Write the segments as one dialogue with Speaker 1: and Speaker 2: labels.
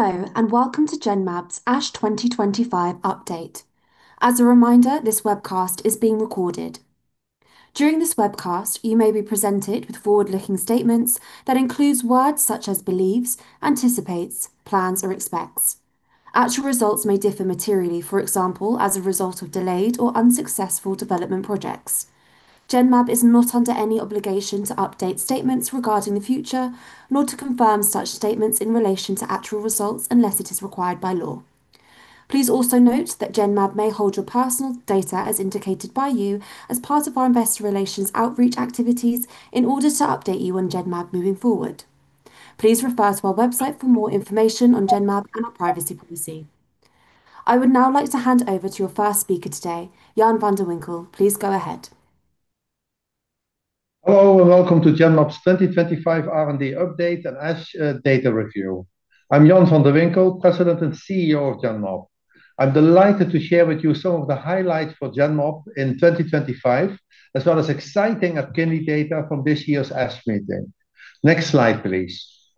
Speaker 1: Hello, and welcome to Genmab's ASH 2025 update. As a reminder, this webcast is being recorded. During this webcast, you may be presented with forward-looking statements that include words such as believes, anticipates, plans, or expects. Actual results may differ materially, for example, as a result of delayed or unsuccessful development projects. Genmab is not under any obligation to update statements regarding the future, nor to confirm such statements in relation to actual results unless it is required by law. Please also note that Genmab may hold your personal data as indicated by you as part of our investor relations outreach activities in order to update you on Genmab moving forward. Please refer to our website for more information on Genmab and our privacy policy. I would now like to hand over to your first speaker today, Jan van de Winkel. Please go ahead.
Speaker 2: Hello, and welcome to Genmab's 2025 R&D update and ASH data review. I'm Jan van de Winkel, President and CEO of Genmab. I'm delighted to share with you some of the highlights for Genmab in 2025, as well as exciting upcoming data from this year's ASH meeting. Next slide, please.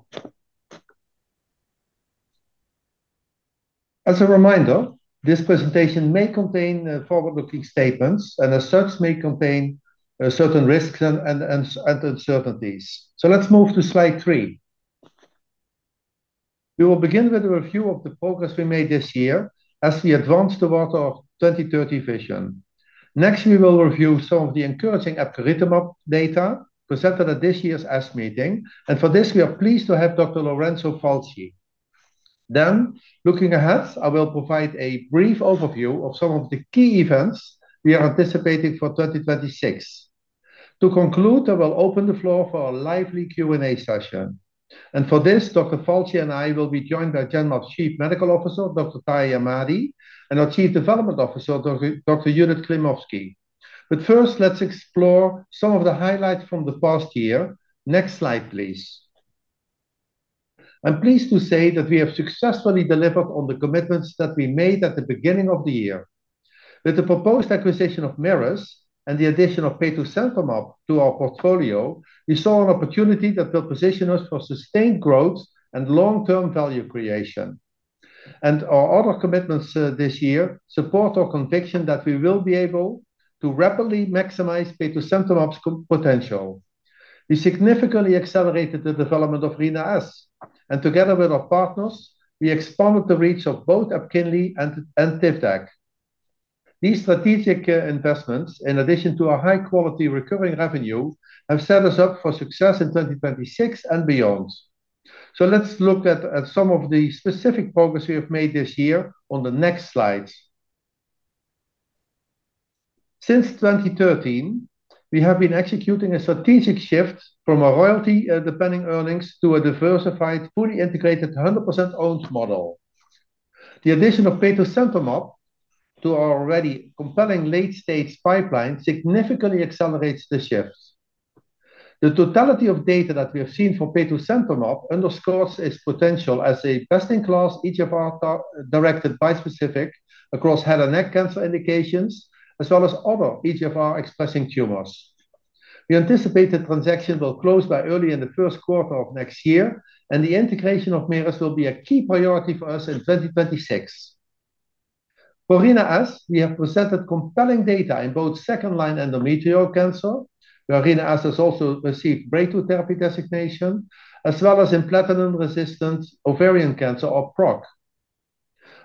Speaker 2: As a reminder, this presentation may contain forward-looking statements, and the statements may contain certain risks and uncertainties, so let's move to slide three. We will begin with a review of the progress we made this year as we advance towards our 2030 vision. Next, we will review some of the encouraging hematologic data presented at this year's ASH meeting, and for this, we are pleased to have Dr. Lorenzo Falchi, then looking ahead, I will provide a brief overview of some of the key events we are anticipating for 2026. To conclude, I will open the floor for a lively Q&A session. And for this, Dr. Falchi and I will be joined by Genmab's Chief Medical Officer, Dr. Tahamtan Ahmadi, and our Chief Development Officer, Dr. Judith Klimovsky. But first, let's explore some of the highlights from the past year. Next slide, please. I'm pleased to say that we have successfully delivered on the commitments that we made at the beginning of the year. With the proposed acquisition of Mirus and the addition of Pathosentomab to our portfolio, we saw an opportunity that will position us for sustained growth and long-term value creation. And our other commitments this year support our conviction that we will be able to rapidly maximize Pathosentomab's potential. We significantly accelerated the development of RINA-S, and together with our partners, we expanded the reach of both EPKINLY and TIVDAK. These strategic investments, in addition to our high-quality recurring revenue, have set us up for success in 2026 and beyond, so let's look at some of the specific progress we have made this year on the next slides. Since 2013, we have been executing a strategic shift from our royalty-depending earnings to a diversified, fully integrated, 100%-owned model. The addition of Pathosentomab to our already compelling late-stage pipeline significantly accelerates the shift. The totality of data that we have seen for Pathosentomab underscores its potential as a best-in-class EGFR-directed bispecific across head and neck cancer indications, as well as other EGFR-expressing tumors. We anticipate the transaction will close by early in the first quarter of next year, and the integration of Mirus will be a key priority for us in 2026. For RINA-S, we have presented compelling data in both second-line endometrial cancer, where RINA-S has also received breakthrough therapy designation, as well as in platinum-resistant ovarian cancer, or PROC.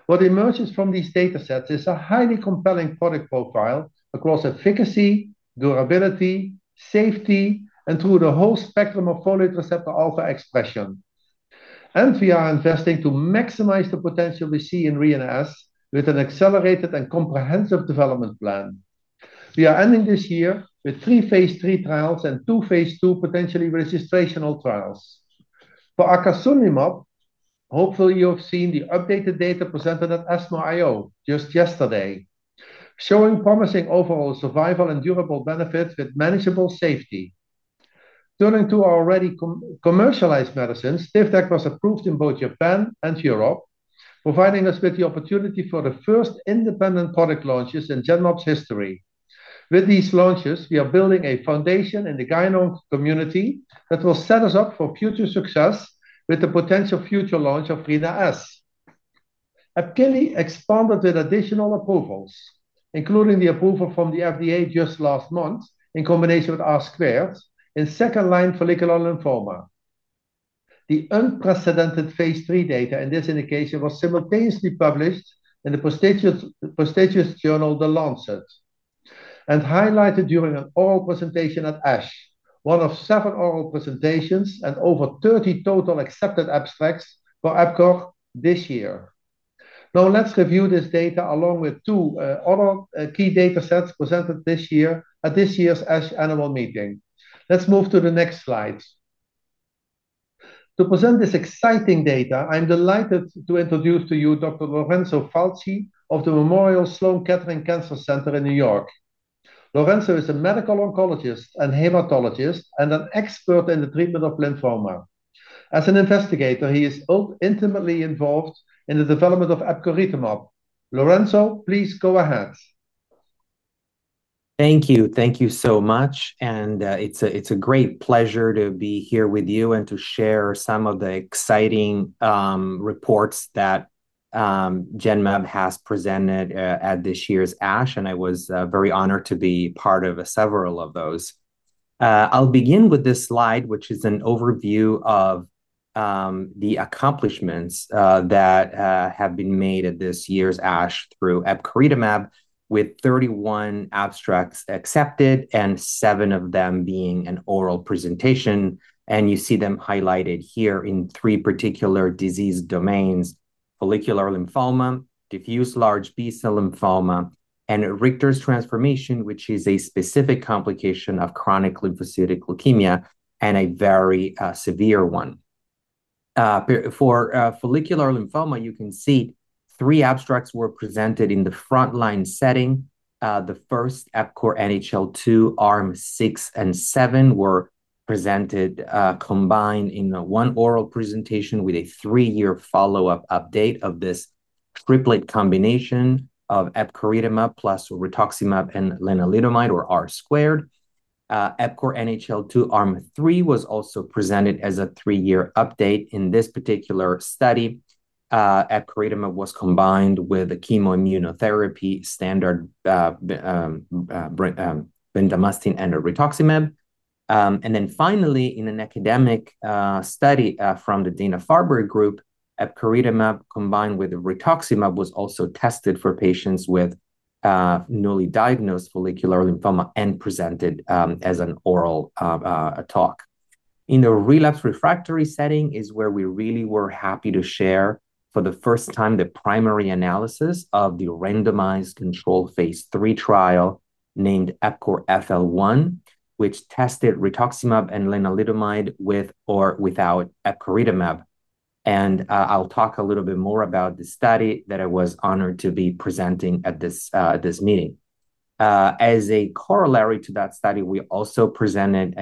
Speaker 2: What emerges from these data sets is a highly compelling product profile across efficacy, durability, safety, and through the whole spectrum of folate receptor alpha expression, and we are investing to maximize the potential we see in RINA-S with an accelerated and comprehensive development plan. We are ending this year with three phase III trials and two phase II potentially registrational trials. For Arkasunimab, hopefully you have seen the updated data presented at ESMO-IO just yesterday, showing promising overall survival and durable benefits with manageable safety. Turning to our already commercialized medicines, TIVDAK was approved in both Japan and Europe, providing us with the opportunity for the first independent product launches in Genmab's history. With these launches, we are building a foundation in the oncology community that will set us up for future success with the potential future launch of RINA-S. EPKINLY expanded with additional approvals, including the approval from the FDA just last month in combination with R-squared in second-line follicular lymphoma. The unprecedented phase III data in this indication was simultaneously published in the prestigious journal The Lancet and highlighted during an oral presentation at ASH, one of seven oral presentations and over 30 total accepted abstracts for Genmab this year. Now let's review this data along with two other key data sets presented this year at this year's ASH Annual Meeting. Let's move to the next slide. To present this exciting data, I'm delighted to introduce to you Dr. Lorenzo Falchi of the Memorial Sloan Kettering Cancer Center in New York. Lorenzo is a medical oncologist and hematologist and an expert in the treatment of lymphoma. As an investigator, he is intimately involved in the development of epcoritamab. Lorenzo, please go ahead.
Speaker 3: Thank you. Thank you so much, and it's a great pleasure to be here with you and to share some of the exciting reports that Genmab has presented at this year's ASH. I was very honored to be part of several of those. I'll begin with this slide, which is an overview of the accomplishments that have been made at this year's ASH through epcoritamab, with 31 abstracts accepted and seven of them being an oral presentation. You see them highlighted here in three particular disease domains: follicular lymphoma, diffuse large B-cell lymphoma, and Richter's transformation, which is a specific complication of chronic lymphocytic leukemia and a very severe one. For follicular lymphoma, you can see three abstracts were presented in the frontline setting. The first, EPCORE NHL-2, arm six and seven, were presented combined in one oral presentation with a three-year follow-up update of this triplet combination of epcoritamab plus rituximab and lenalidomide, or R-squared. epcore NHL-2, arm three was also presented as a three-year update in this particular study. Epcoritamab was combined with the chemoimmunotherapy standard bendamustine and rituximab. Then finally, in an academic study from the Dana-Farber Group, epcoritamab combined with rituximab was also tested for patients with newly diagnosed follicular lymphoma and presented as an oral talk. In the relapse refractory setting is where we really were happy to share for the first time the primary analysis of the randomized controlled phase III trial named EPCORE FL-1, which tested rituximab and lenalidomide with or without epcoritamab. I'll talk a little bit more about the study that I was honored to be presenting at this meeting. As a corollary to that study, we also presented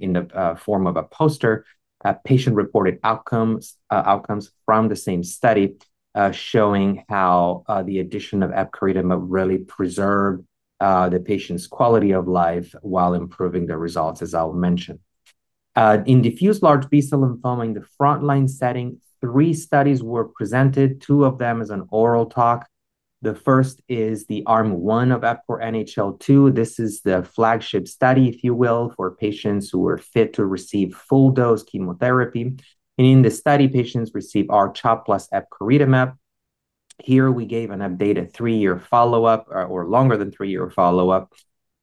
Speaker 3: in the form of a poster patient-reported outcomes from the same study showing how the addition of epcoritamab really preserved the patient's quality of life while improving the results, as I'll mention. In diffuse large B-cell lymphoma in the frontline setting, three studies were presented, two of them as an oral talk. The first is the arm one of EPCORE NHL-2. This is the flagship study, if you will, for patients who are fit to receive full-dose chemotherapy, and in the study, patients receive R-CHOP plus epcoritamab. Here, we gave an updated three-year follow-up or longer than three-year follow-up,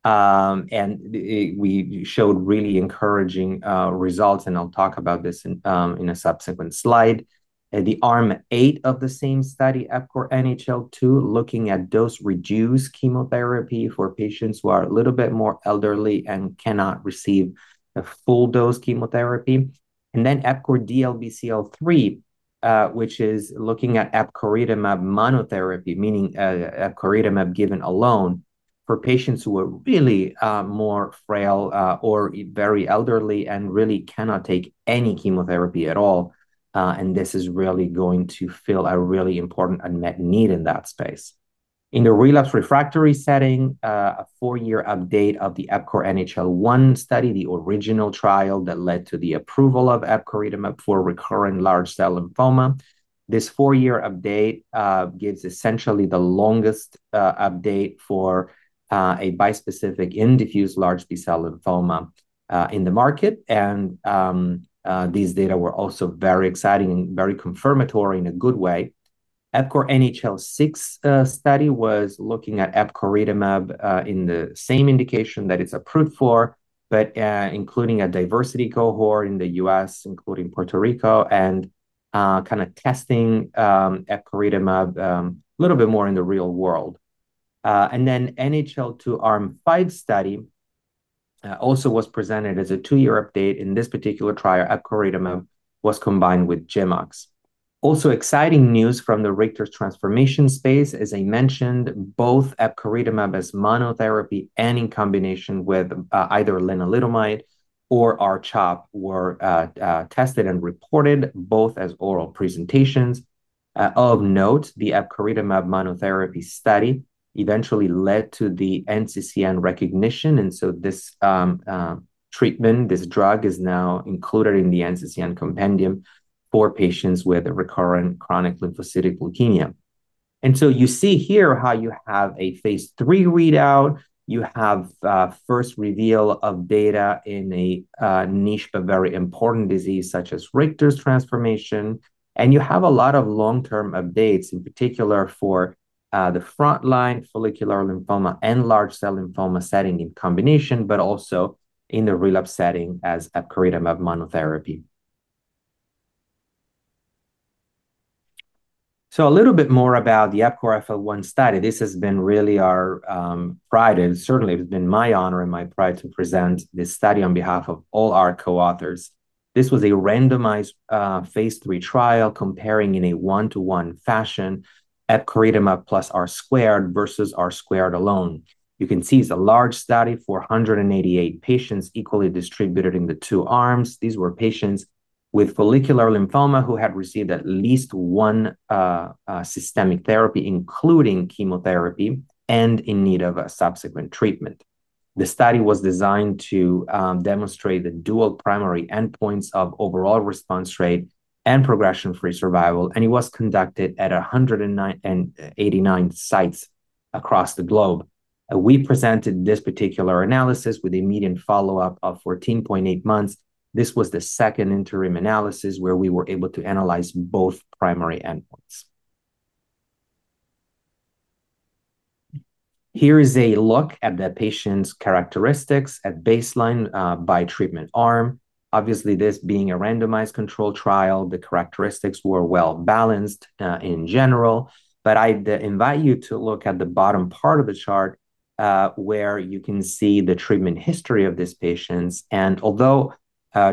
Speaker 3: and we showed really encouraging results, and I'll talk about this in a subsequent slide. The arm eight of the same study, EPCORE NHL-2, looking at dose-reduced chemotherapy for patients who are a little bit more elderly and cannot receive a full-dose chemotherapy. And then EPCORE DLBCL-3, which is looking at epcoritamab monotherapy, meaning epcoritamab given alone for patients who are really more frail or very elderly and really cannot take any chemotherapy at all. And this is really going to fill a really important unmet need in that space. In the relapse refractory setting, a four-year update of the EPCORE NHL-1 study, the original trial that led to the approval of epcoritamab for recurrent large cell lymphoma. This four-year update gives essentially the longest update for a bispecific in diffuse large B-cell lymphoma in the market. And these data were also very exciting and very confirmatory in a good way. EPCORE NHL-6 study was looking at epcoritamab in the same indication that it's approved for, but including a diversity cohort in the U.S., including Puerto Rico, and kind of testing epcoritamab a little bit more in the real world. And then the NHL2 arm five study also was presented as a two-year update. In this particular trial, epcoritamab was combined with GemOx. Also exciting news from the Richter's transformation space, as I mentioned, both epcoritamab as monotherapy and in combination with either lenalidomide or R-CHOP were tested and reported both as oral presentations. Of note, the epcoritamab monotherapy study eventually led to the NCCN recognition. And so this treatment, this drug, is now included in the NCCN compendium for patients with recurrent chronic lymphocytic leukemia. And so you see here how you have a phase III readout. You have first reveal of data in a niche, but very important disease such as Richter's transformation. And you have a lot of long-term updates, in particular for the frontline follicular lymphoma and large cell lymphoma setting in combination, but also in the relapse setting as epcoritamab monotherapy. A little bit more about the EPCORE FL-1 study. This has been really our pride. Certainly, it has been my honor and my pride to present this study on behalf of all our co-authors. This was a randomized phase III trial comparing in a one-to-one fashion epcoritamab plus R-squared versus R-squared alone. You can see it's a large study for 188 patients equally distributed in the two arms. These were patients with follicular lymphoma who had received at least one systemic therapy, including chemotherapy, and in need of subsequent treatment. The study was designed to demonstrate the dual primary endpoints of overall response rate and progression-free survival. It was conducted at 189 sites across the globe. We presented this particular analysis with a median follow-up of 14.8 months. This was the second interim analysis where we were able to analyze both primary endpoints. Here is a look at the patient's characteristics at baseline by treatment arm. Obviously, this being a randomized control trial, the characteristics were well-balanced in general. But I invite you to look at the bottom part of the chart where you can see the treatment history of these patients. And although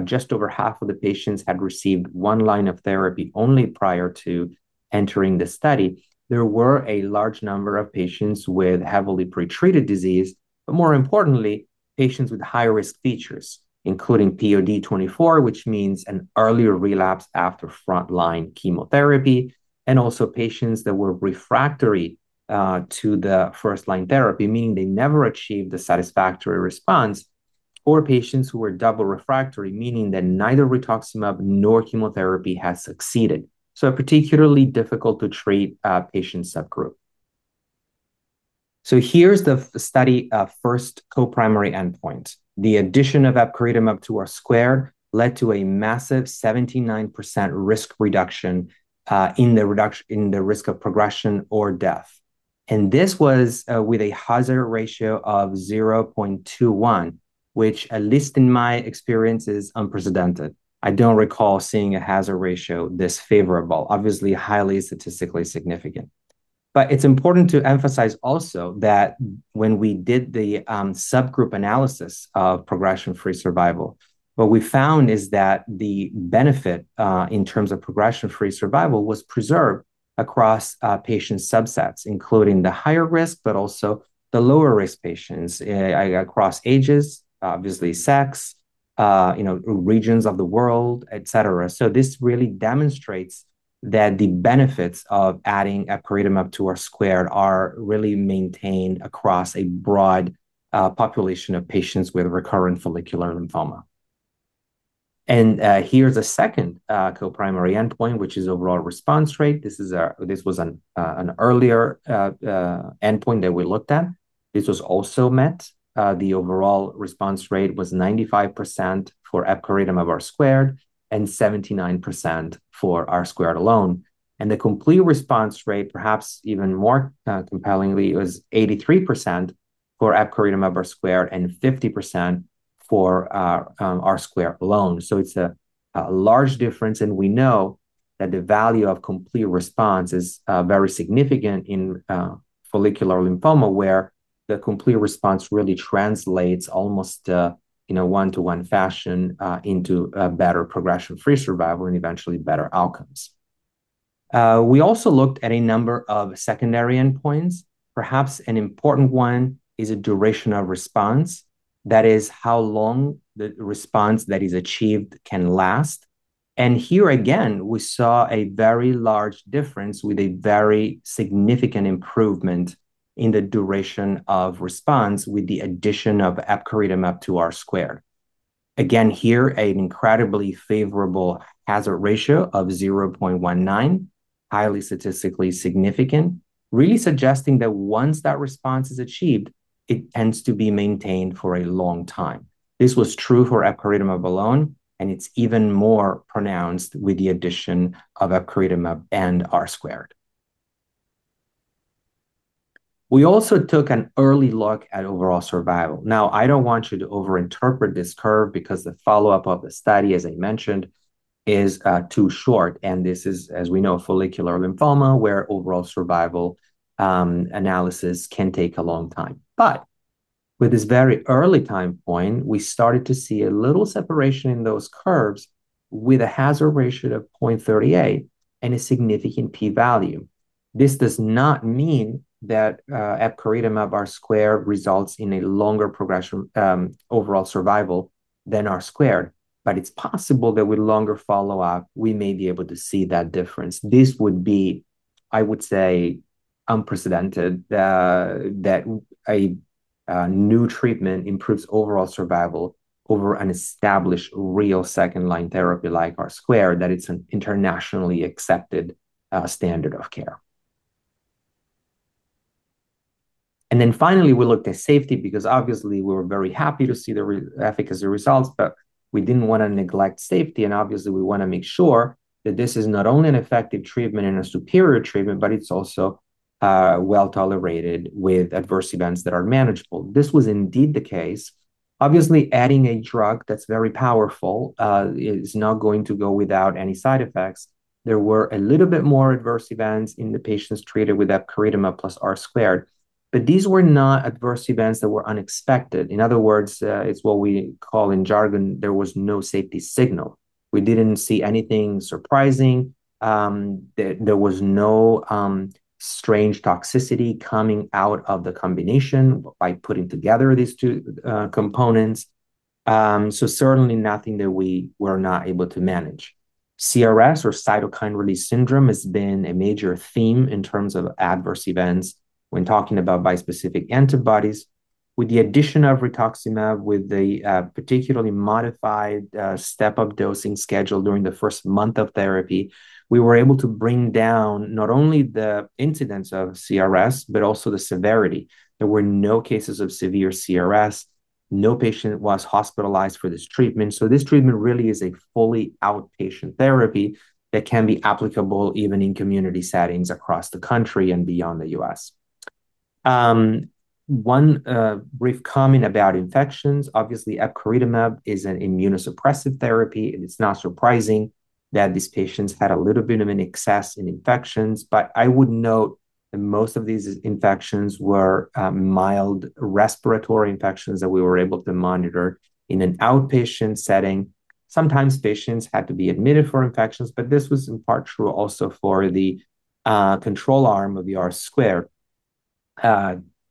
Speaker 3: just over half of the patients had received one line of therapy only prior to entering the study, there were a large number of patients with heavily pretreated disease, but more importantly, patients with high-risk features, including POD24, which means an earlier relapse after frontline chemotherapy, and also patients that were refractory to the first-line therapy, meaning they never achieved a satisfactory response, or patients who were double refractory, meaning that neither rituximab nor chemotherapy has succeeded. So a particularly difficult-to-treat patient subgroup. So here's the study of first co-primary endpoint. The addition of epcoritamab to R-squared led to a massive 79% risk reduction in the risk of progression or death, and this was with a hazard ratio of 0.21, which at least in my experience is unprecedented. I don't recall seeing a hazard ratio this favorable, obviously highly statistically significant, but it's important to emphasize also that when we did the subgroup analysis of progression-free survival, what we found is that the benefit in terms of progression-free survival was preserved across patient subsets, including the higher risk, but also the lower-risk patients across ages, obviously sex, regions of the world, et cetera, so this really demonstrates that the benefits of adding epcoritamab to R-squared are really maintained across a broad population of patients with recurrent follicular lymphoma, and here's a second co-primary endpoint, which is overall response rate. This was an earlier endpoint that we looked at. This was also met. The overall response rate was 95% for epcoritamab R-squared and 79% for R-squared alone. The complete response rate, perhaps even more compellingly, was 83% for epcoritamab R-squared and 50% for R-squared alone. It's a large difference. We know that the value of complete response is very significant in follicular lymphoma, where the complete response really translates almost in a one-to-one fashion into better progression-free survival and eventually better outcomes. We also looked at a number of secondary endpoints. Perhaps an important one is a duration of response. That is how long the response that is achieved can last. Here again, we saw a very large difference with a very significant improvement in the duration of response with the addition of epcoritamab to R-squared. Again, here, an incredibly favorable hazard ratio of 0.19, highly statistically significant, really suggesting that once that response is achieved, it tends to be maintained for a long time. This was true for epcoritamab alone, and it's even more pronounced with the addition of epcoritamab and R-squared. We also took an early look at overall survival. Now, I don't want you to over-interpret this curve because the follow-up of the study, as I mentioned, is too short, and this is, as we know, follicular lymphoma, where overall survival analysis can take a long time, but with this very early time point, we started to see a little separation in those curves with a hazard ratio of 0.38 and a significant p-value. This does not mean that epcoritamab R-squared results in a longer progression overall survival than R-squared. But it's possible that with longer follow-up, we may be able to see that difference. This would be, I would say, unprecedented that a new treatment improves overall survival over an established real second-line therapy like R-squared, that it's an internationally accepted standard of care. And then finally, we looked at safety because obviously, we were very happy to see the efficacy results, but we didn't want to neglect safety. And obviously, we want to make sure that this is not only an effective treatment and a superior treatment, but it's also well-tolerated with adverse events that are manageable. This was indeed the case. Obviously, adding a drug that's very powerful is not going to go without any side effects. There were a little bit more adverse events in the patients treated with epcoritamab plus R-squared. But these were not adverse events that were unexpected. In other words, it's what we call in jargon, there was no safety signal. We didn't see anything surprising. There was no strange toxicity coming out of the combination by putting together these two components. So certainly, nothing that we were not able to manage. CRS or cytokine release syndrome has been a major theme in terms of adverse events when talking about bispecific antibodies. With the addition of rituximab, with the particularly modified step-up dosing schedule during the first month of therapy, we were able to bring down not only the incidence of CRS, but also the severity. There were no cases of severe CRS. No patient was hospitalized for this treatment. So this treatment really is a fully outpatient therapy that can be applicable even in community settings across the country and beyond the U.S. One brief comment about infections. Obviously, epcoritamab is an immunosuppressive therapy. It's not surprising that these patients had a little bit of an excess in infections. I would note that most of these infections were mild respiratory infections that we were able to monitor in an outpatient setting. Sometimes, patients had to be admitted for infections. This was in part true also for the control arm of the R-squared.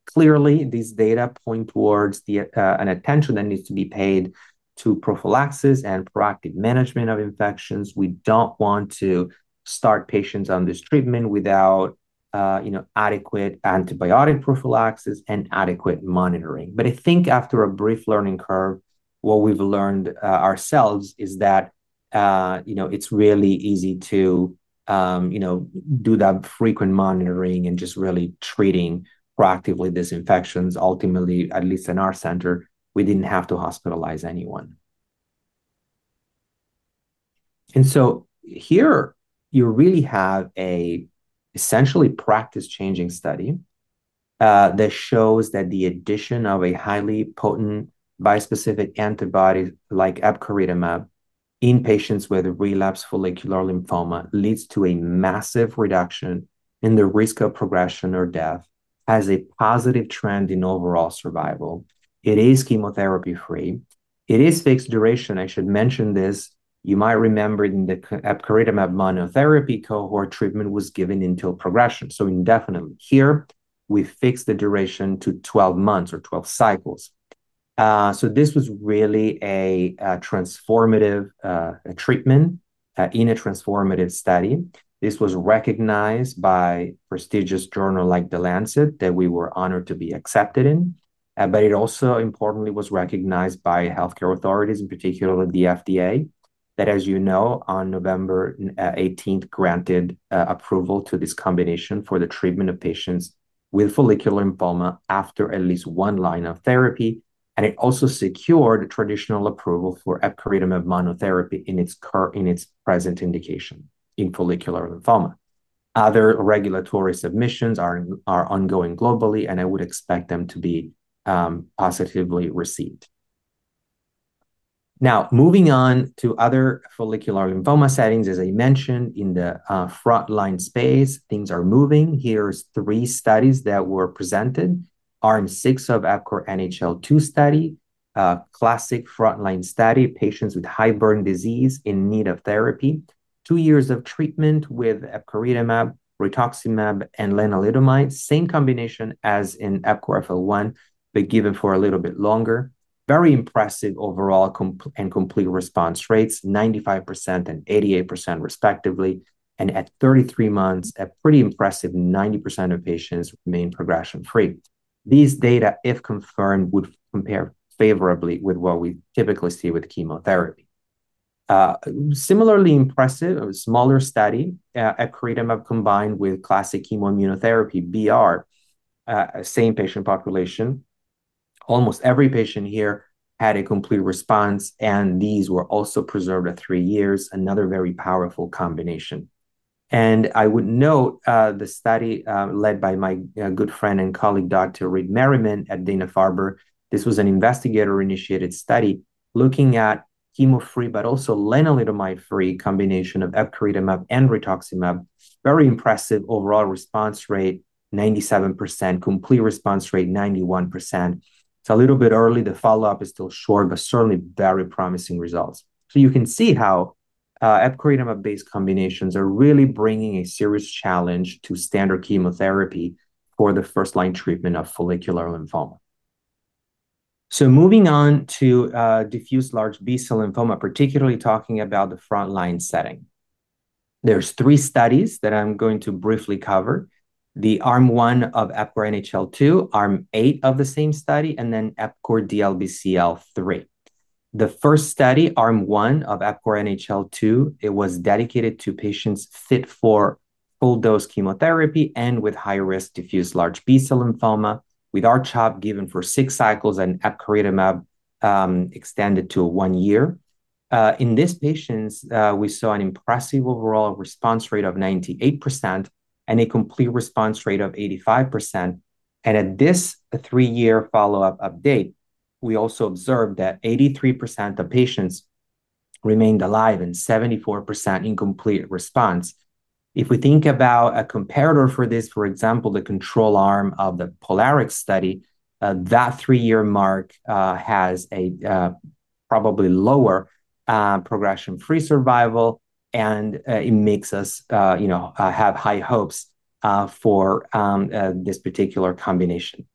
Speaker 3: Clearly, these data point towards an attention that needs to be paid to prophylaxis and proactive management of infections. We don't want to start patients on this treatment without adequate antibiotic prophylaxis and adequate monitoring. I think after a brief learning curve, what we've learned ourselves is that it's really easy to do that frequent monitoring and just really treating proactively these infections. Ultimately, at least in our center, we didn't have to hospitalize anyone. And so here, you really have an essentially practice-changing study that shows that the addition of a highly potent bispecific antibody like epcoritamab in patients with relapsed follicular lymphoma leads to a massive reduction in the risk of progression or death, has a positive trend in overall survival. It is chemotherapy-free. It is fixed duration. I should mention this. You might remember in the epcoritamab monotherapy cohort, treatment was given until progression, so indefinitely. Here, we fixed the duration to 12 months or 12 cycles. So this was really a transformative treatment in a transformative study. This was recognized by prestigious journal like The Lancet that we were honored to be accepted in. But it also, importantly, was recognized by healthcare authorities, in particular the FDA, that, as you know, on November 18th, granted approval to this combination for the treatment of patients with follicular lymphoma after at least one line of therapy. And it also secured traditional approval for epcoritamab monotherapy in its present indication in follicular lymphoma. Other regulatory submissions are ongoing globally. And I would expect them to be positively received. Now, moving on to other follicular lymphoma settings, as I mentioned, in the frontline space, things are moving. Here are three studies that were presented: results of EPCORE NHL2 study, classic frontline study, patients with high-burden disease in need of therapy, two years of treatment with epcoritamab, rituximab, and lenalidomide, same combination as in EPCORE FL-1, but given for a little bit longer. Very impressive overall and complete response rates, 95% and 88%, respectively. And at 33 months, a pretty impressive 90% of patients remain progression-free. These data, if confirmed, would compare favorably with what we typically see with chemotherapy. Similarly impressive, a smaller study, epcoritamab combined with classic chemoimmunotherapy, BR, same patient population. Almost every patient here had a complete response. And these were also preserved at three years, another very powerful combination. And I would note the study led by my good friend and colleague, Dr. Reid Merryman at Dana-Farber. This was an investigator-initiated study looking at chemo-free but also lenalidomide-free combination of epcoritamab and rituximab. Very impressive overall response rate, 97%, complete response rate, 91%. It's a little bit early. The follow-up is still short, but certainly very promising results. So you can see how epcoritamab-based combinations are really bringing a serious challenge to standard chemotherapy for the first-line treatment of follicular lymphoma. So moving on to diffuse large B-cell lymphoma, particularly talking about the frontline setting. There are three studies that I'm going to briefly cover: the Arm 1 of EPCORE NHL-2, Arm 8 of the same study, and then EPCORE DLBCL-3. The first study, Arm 1 of EPCORE NHL-2, it was dedicated to patients fit for full-dose chemotherapy and with high-risk diffuse large B-cell lymphoma, with R-CHOP given for six cycles and epcoritamab extended to one year. In these patients, we saw an impressive overall response rate of 98% and a complete response rate of 85%. And at this three-year follow-up update, we also observed that 83% of patients remained alive and 74% in complete response. If we think about a comparator for this, for example, the control arm of the POLARIX study, that three-year mark has a probably lower progression-free survival. It makes us have high hopes for this particular combination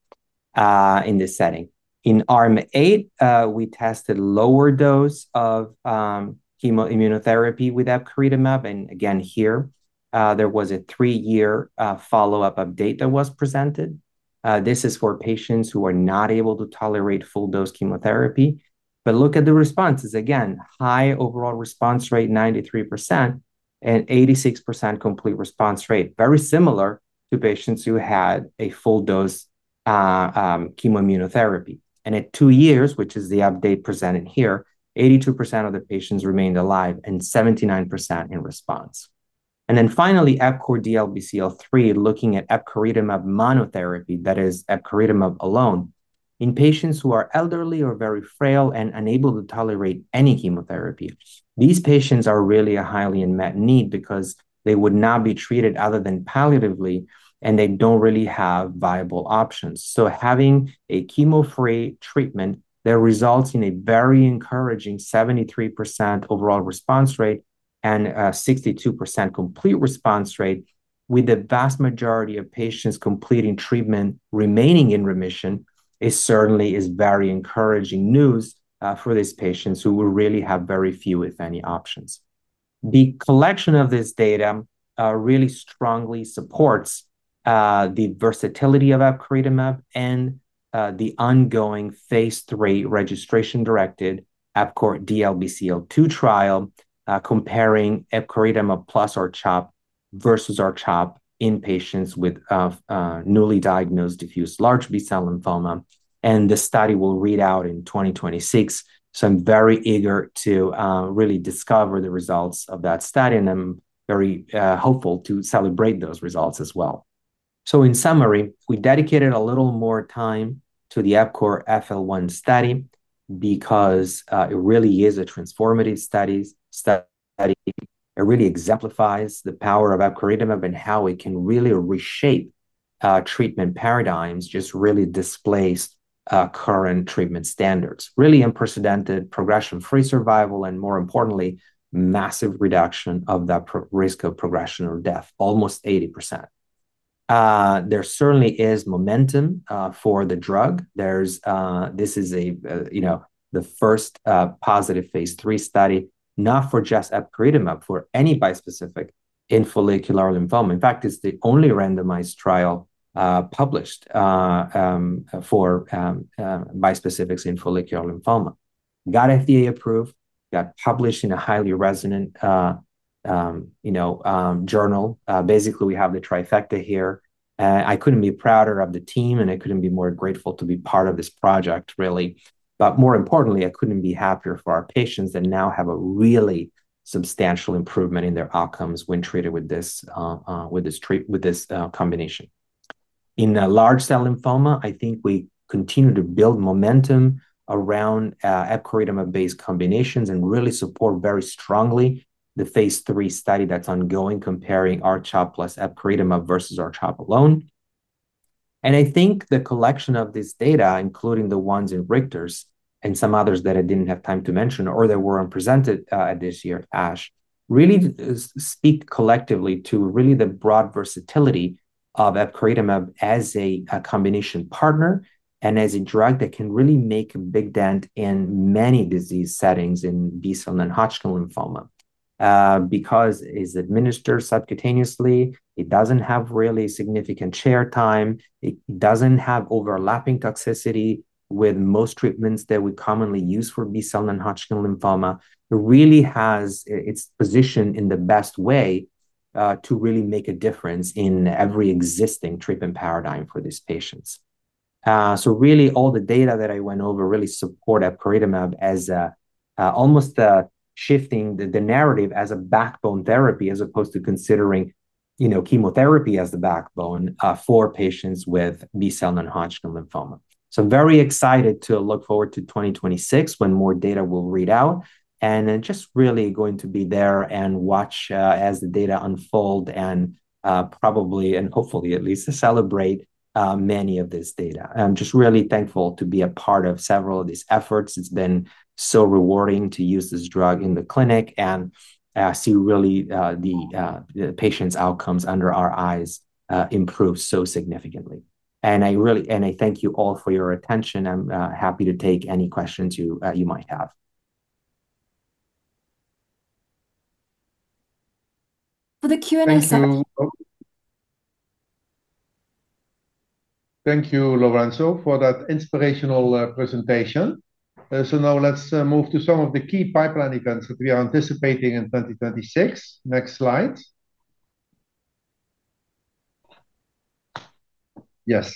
Speaker 3: in this setting. In Arm 8, we tested lower dose of chemoimmunotherapy with epcoritumab. Again, here, there was a three-year follow-up update that was presented. This is for patients who are not able to tolerate full-dose chemotherapy. Look at the responses. Again, high overall response rate, 93%, and 86% complete response rate, very similar to patients who had a full-dose chemoimmunotherapy. At two years, which is the update presented here, 82% of the patients remained alive and 79% in response. Then finally, EPCORE DLBCL3, looking at epcoritumab monotherapy, that is epcoritumab alone, in patients who are elderly or very frail and unable to tolerate any chemotherapy. These patients are really a highly unmet need because they would not be treated other than palliatively, and they don't really have viable options. Having a chemo-free treatment that results in a very encouraging 73% overall response rate and 62% complete response rate, with the vast majority of patients completing treatment remaining in remission, is certainly very encouraging news for these patients who will really have very few, if any, options. The collection of this data really strongly supports the versatility of epcoritamab and the ongoing phase III registration-directed EPCORE DLBCL-2 trial, comparing epcoritamab plus R-CHOP versus R-CHOP in patients with newly diagnosed diffuse large B-cell lymphoma. And the study will read out in 2026. So I'm very eager to really discover the results of that study. And I'm very hopeful to celebrate those results as well. So in summary, we dedicated a little more time to the EPCORE FL-1 study because it really is a transformative study. It really exemplifies the power of epcoritamab and how it can really reshape treatment paradigms, just really displace current treatment standards. Really unprecedented progression-free survival and, more importantly, massive reduction of that risk of progression or death, almost 80%. There certainly is momentum for the drug. This is the first positive phase III study, not for just epcoritamab, for any bispecific in follicular lymphoma. In fact, it's the only randomized trial published for bispecifics in follicular lymphoma. Got FDA approved. Got published in a highly resonant journal. Basically, we have the trifecta here. I couldn't be prouder of the team, and I couldn't be more grateful to be part of this project, really, but more importantly, I couldn't be happier for our patients that now have a really substantial improvement in their outcomes when treated with this combination. In large cell lymphoma, I think we continue to build momentum around epcoritamab-based combinations and really support very strongly the phase III study that's ongoing, comparing R-CHOP plus epcoritamab versus R-CHOP alone. And I think the collection of this data, including the ones in Richter's and some others that I didn't have time to mention or that were unpresented this year at ASH, really speak collectively to really the broad versatility of epcoritamab as a combination partner and as a drug that can really make a big dent in many disease settings in B-cell non-Hodgkin lymphoma. Because it's administered subcutaneously, it doesn't have really significant chair time. It doesn't have overlapping toxicity with most treatments that we commonly use for B-cell non-Hodgkin lymphoma. It really has its position in the best way to really make a difference in every existing treatment paradigm for these patients. So really, all the data that I went over really support epcoritamab as almost shifting the narrative as a backbone therapy as opposed to considering chemotherapy as the backbone for patients with B-cell non-Hodgkin lymphoma. So I'm very excited to look forward to 2026 when more data will read out. And I'm just really going to be there and watch as the data unfold and probably, and hopefully, at least celebrate many of this data. I'm just really thankful to be a part of several of these efforts. It's been so rewarding to use this drug in the clinic and see really the patients' outcomes under our eyes improve so significantly. And I thank you all for your attention. I'm happy to take any questions you might have.
Speaker 1: For the Q&A session.
Speaker 2: Thank you, Lorenzo, for that inspirational presentation. So now let's move to some of the key pipeline events that we are anticipating in 2026. Next slide. Yes.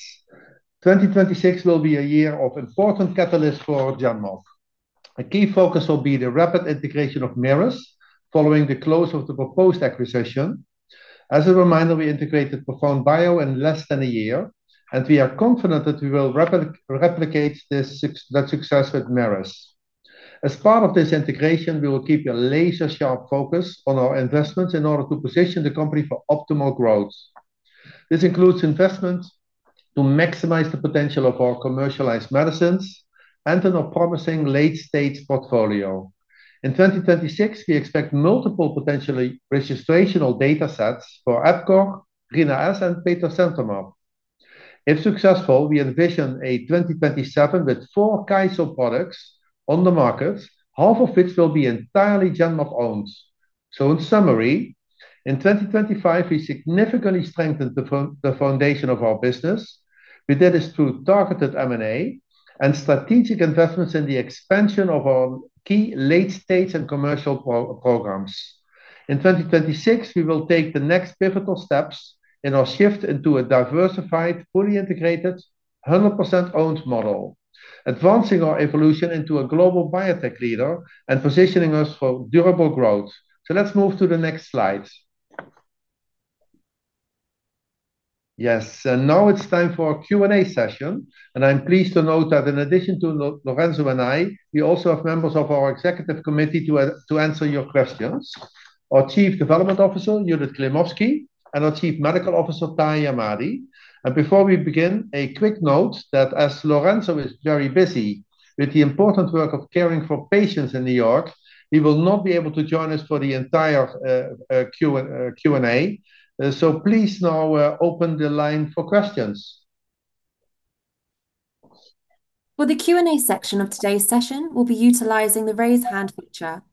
Speaker 2: 2026 will be a year of important catalysts for Genmab. A key focus will be the rapid integration of Merus following the close of the proposed acquisition. As a reminder, we integrated ProfoundBio in less than a year. And we are confident that we will replicate that success with Merus. As part of this integration, we will keep a laser-sharp focus on our investments in order to position the company for optimal growth. This includes investments to maximize the potential of our commercialized medicines and in our promising late-stage portfolio. In 2026, we expect multiple potential registrational data sets for EPCORE, Rina-S, and beta centromere. If successful, we envision a 2027 with four KYSO products on the market. Half of which will be entirely Genmab-owned. So in summary, in 2025, we significantly strengthened the foundation of our business. We did this through targeted M&A and strategic investments in the expansion of our key late-stage and commercial programs. In 2026, we will take the next pivotal steps in our shift into a diversified, fully integrated, 100%-owned model, advancing our evolution into a global biotech leader and positioning us for durable growth. So let's move to the next slide. Yes. And now it's time for our Q&A session. And I'm pleased to note that in addition to Lorenzo and I, we also have members of our executive committee to answer your questions: our Chief Development Officer, Judith Klimovsky, and our Chief Medical Officer, Tahamtan Ahmadi. And before we begin, a quick note that as Lorenzo is very busy with the important work of caring for patients in New York, he will not be able to join us for the entire Q&A. So please now open the line for questions.
Speaker 1: For the Q&A section of today's session, we'll be utilizing the raise hand feature.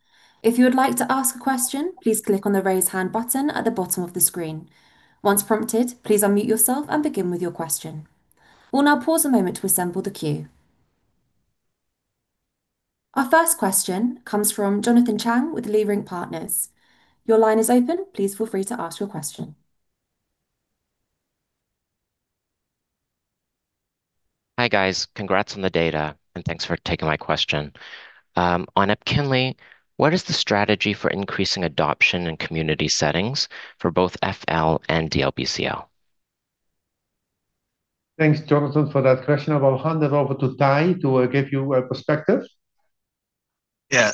Speaker 1: If you would like to ask a question, please click on the raise hand button at the bottom of the screen. Once prompted, please unmute yourself and begin with your question. We'll now pause a moment to assemble the queue. Our first question comes from Jonathan Chang with Leerink Partners. Your line is open. Please feel free to ask your question.
Speaker 4: Hi, guys. Congrats on the data. And thanks for taking my question. On EPKINLY, what is the strategy for increasing adoption in community settings for both FL and DLBCL?
Speaker 2: Thanks, Jonathan, for that question. I'll hand it over to Tahamtan to give you a perspective.
Speaker 5: Yeah.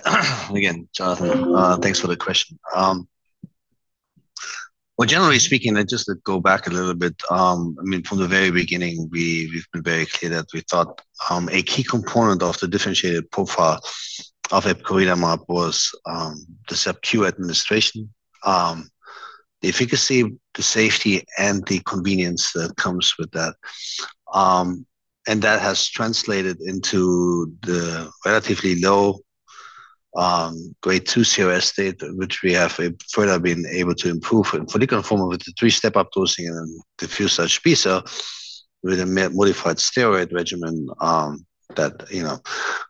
Speaker 5: Again, Jonathan, thanks for the question. Generally speaking, and just to go back a little bit, I mean, from the very beginning, we've been very clear that we thought a key component of the differentiated profile of epcoritamab was the subQ administration, the efficacy, the safety, and the convenience that comes with that. And that has translated into the relatively low grade two CRS rates, which we have further been able to improve in follicular form with the three-step updosing and diffuse large B-cell with a modified steroid regimen that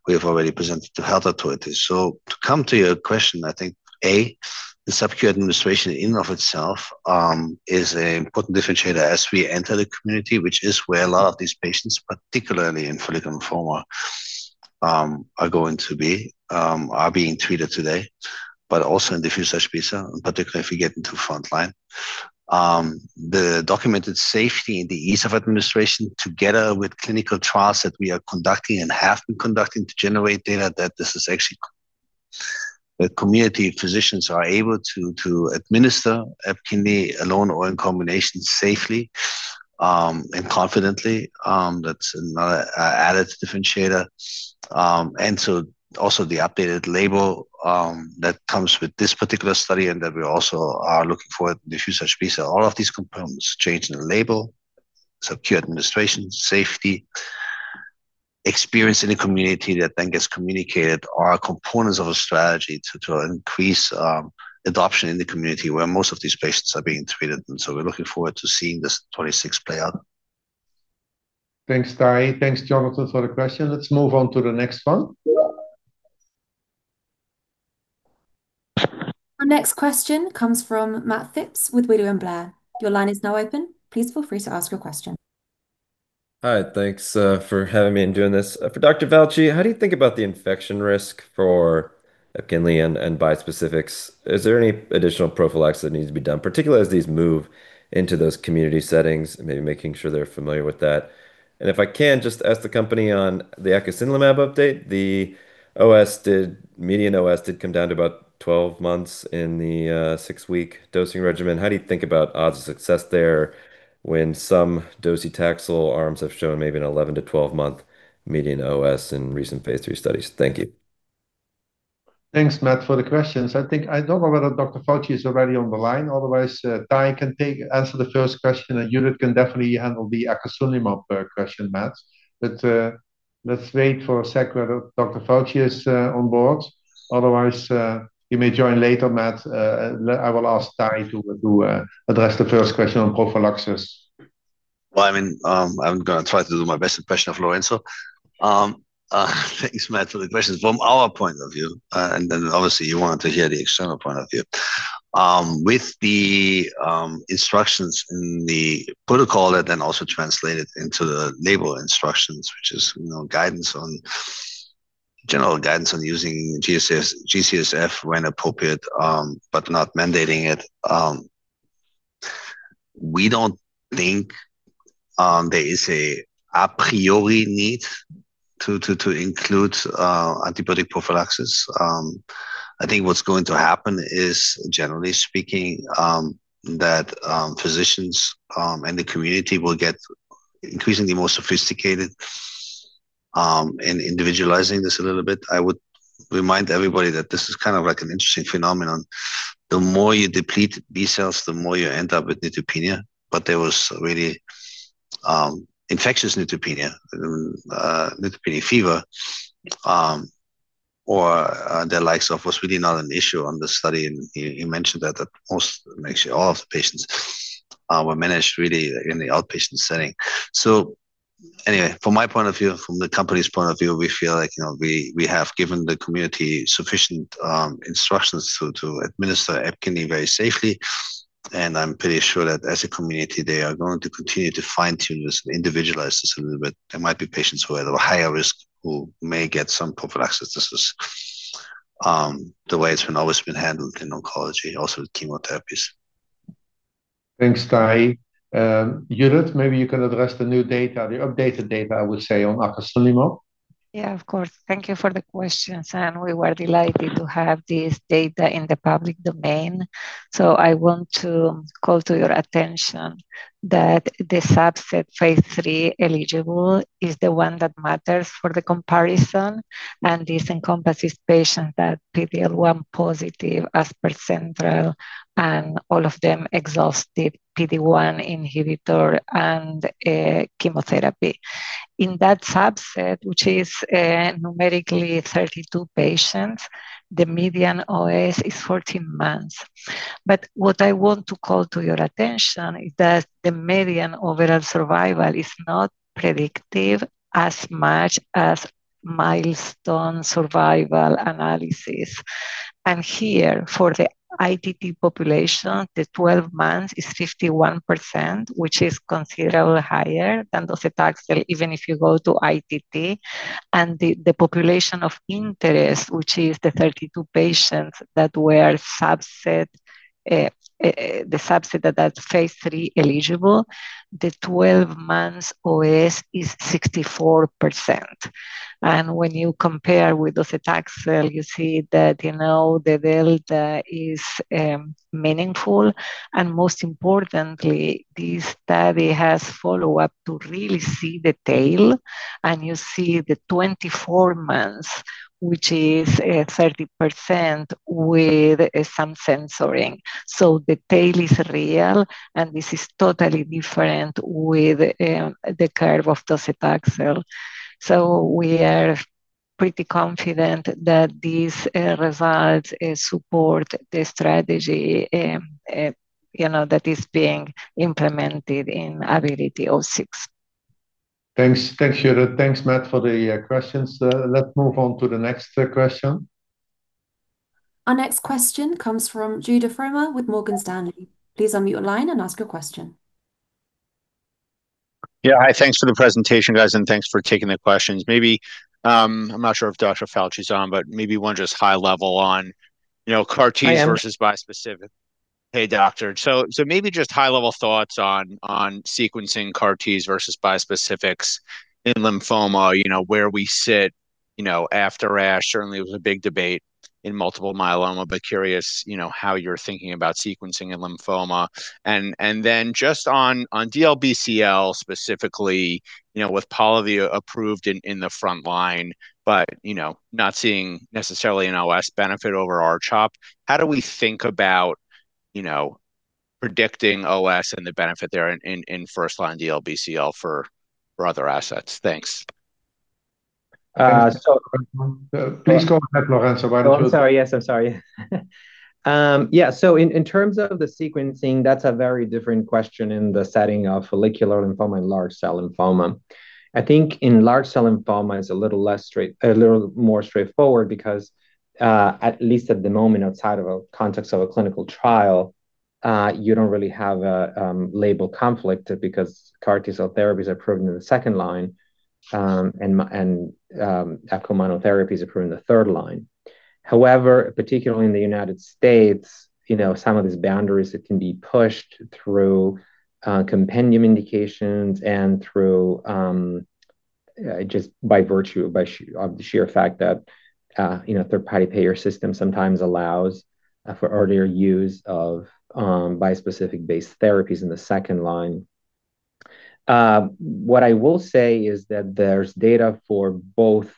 Speaker 5: we have already presented to health authorities. To come to your question, I think, A, the sub-Q administration in and of itself is an important differentiator as we enter the community, which is where a lot of these patients, particularly in follicular form, are going to be, are being treated today, but also in diffuse HBC, in particular, if we get into frontline. The documented safety and the ease of administration, together with clinical trials that we are conducting and have been conducting to generate data that this is actually that community physicians are able to administer EPKINLY alone or in combination safely and confidently. That's another added differentiator. And so also the updated label that comes with this particular study and that we also are looking for diffuse HBC. All of these components changed in the label, sub-Q administration, safety, experience in the community that then gets communicated are components of a strategy to increase adoption in the community where most of these patients are being treated. And so we're looking forward to seeing this 26 play out.
Speaker 2: Thanks, Tahamtan. Thanks, Jonathan, for the question. Let's move on to the next one.
Speaker 1: Our next question comes from Matt Phipps with William Blair. Your line is now open. Please feel free to ask your question.
Speaker 6: Hi. Thanks for having me and doing this. For Dr. Falchi, how do you think about the infection risk for EPKINLY and bispecifics? Is there any additional prophylaxis that needs to be done, particularly as these move into those community settings, maybe making sure they're familiar with that, and if I can, just ask the company on the epcoritamab update. The OS did. Median OS did come down to about 12 months in the six-week dosing regimen. How do you think about odds of success there when some docetaxel arms have shown maybe an 11-12-month median OS in recent phase III studies? Thank you.
Speaker 2: Thanks, Matt, for the questions. I think I don't know whether Dr. Falchi is already on the line. Otherwise, Tai can answer the first question, and Judith can definitely handle the epcoritamab question, Matt, but let's wait for a sec whether Dr. Falchi is on board. Otherwise, he may join later, Matt. I will ask Tahamtan to address the first question on prophylaxis.
Speaker 5: Well, I mean, I'm going to try to do my best impression of Lorenzo. Thanks, Matt, for the questions. From our point of view, and then obviously, you wanted to hear the external point of view, with the instructions in the protocol that then also translated into the label instructions, which is general guidance on using GCSF when appropriate, but not mandating it. We don't think there is a priori need to include antibiotic prophylaxis. I think what's going to happen is, generally speaking, that physicians and the community will get increasingly more sophisticated in individualizing this a little bit. I would remind everybody that this is kind of like an interesting phenomenon. The more you deplete B-cells, the more you end up with neutropenia. But there was really infectious neutropenia, neutropenia fever, or the likes of was really not an issue on the study. And you mentioned that most, actually, all of the patients were managed really in the outpatient setting. So anyway, from my point of view, from the company's point of view, we feel like we have given the community sufficient instructions to administer EPKINLY very safely. And I'm pretty sure that as a community, they are going to continue to fine-tune this and individualize this a little bit. There might be patients who are at a higher risk who may get some prophylaxis. This is the way it's always been handled in oncology, also with chemotherapies.
Speaker 2: Thanks, Tahamtan. Judith, maybe you can address the new data, the updated data, I would say, on epcoritamab.
Speaker 7: Yeah, of course. Thank you for the questions. And we were delighted to have this data in the public domain. So I want to call to your attention that the subset phase III eligible is the one that matters for the comparison. And this encompasses patients that PD-L1 positive, as per central, and all of them exhausted PD-1 inhibitor and chemotherapy. In that subset, which is numerically 32 patients, the median OS is 14 months. But what I want to call to your attention is that the median overall survival is not predictive as much as milestone survival analysis. And here, for the ITT population, the 12 months is 51%, which is considerably higher than docetaxel, even if you go to ITT. And the population of interest, which is the 32 patients that were subset that phase III eligible, the 12-month OS is 64%. And when you compare with docetaxel, you see that the delta is meaningful. And most importantly, this study has follow-up to really see the tail. You see the 24 months, which is 30% with some censoring. The tail is real. This is totally different with the curve of docetaxel. We are pretty confident that these results support the strategy that is being implemented in ABILITY 06.
Speaker 2: Thanks. Thanks, Judith. Thanks, Matt, for the questions. Let's move on to the next question.
Speaker 1: Our next question comes from Judah Frommer with Morgan Stanley. Please unmute your line and ask your question.
Speaker 8: Yeah. Hi. Thanks for the presentation, guys. Thanks for taking the questions. Maybe I'm not sure if Dr. Falchi is on, but maybe one just high-level on CAR-T versus bispecific. Hey, doctor. Maybe just high-level thoughts on sequencing CAR-T versus bispecifics in lymphoma, where we sit after ASH. Certainly, it was a big debate in multiple myeloma, but curious how you're thinking about sequencing in lymphoma. And then just on DLBCL specifically, with Polivy approved in the frontline, but not seeing necessarily an OS benefit over R-CHOP, how do we think about predicting OS and the benefit there in first-line DLBCL for other assets? Thanks.
Speaker 2: Please go ahead, Lorenzo. Why don't you?
Speaker 3: Oh, I'm sorry. Yes, I'm sorry. Yeah. So in terms of the sequencing, that's a very different question in the setting of follicular lymphoma and large-cell lymphoma. I think in large-cell lymphoma, it's a little more straightforward because, at least at the moment, outside of a context of a clinical trial, you don't really have a label conflict because CAR-T cell therapies are proven in the second line, and APCOM monotherapies are proven in the third line. However, particularly in the United States, some of these boundaries can be pushed through compendium indications and just by virtue of the sheer fact that a third-party payer system sometimes allows for earlier use of bispecific-based therapies in the second line. What I will say is that there's data for both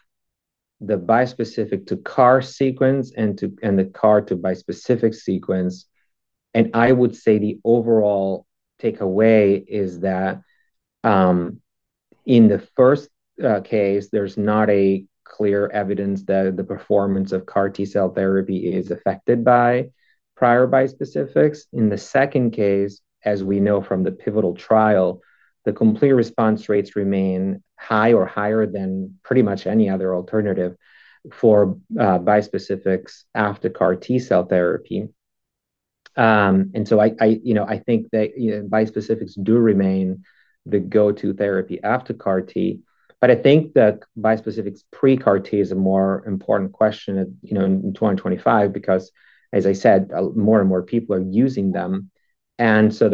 Speaker 3: the bispecific-to-CAR sequence and the CAR-to-bispecific sequence. And I would say the overall takeaway is that in the first case, there's not clear evidence that the performance of CAR-T cell therapy is affected by prior bispecifics. In the second case, as we know from the pivotal trial, the complete response rates remain high or higher than pretty much any other alternative for bispecifics after CAR-T cell therapy. And so I think that bispecifics do remain the go-to therapy after CAR-T. But I think that bispecifics pre-CAR-T is a more important question in 2025 because, as I said, more and more people are using them. And so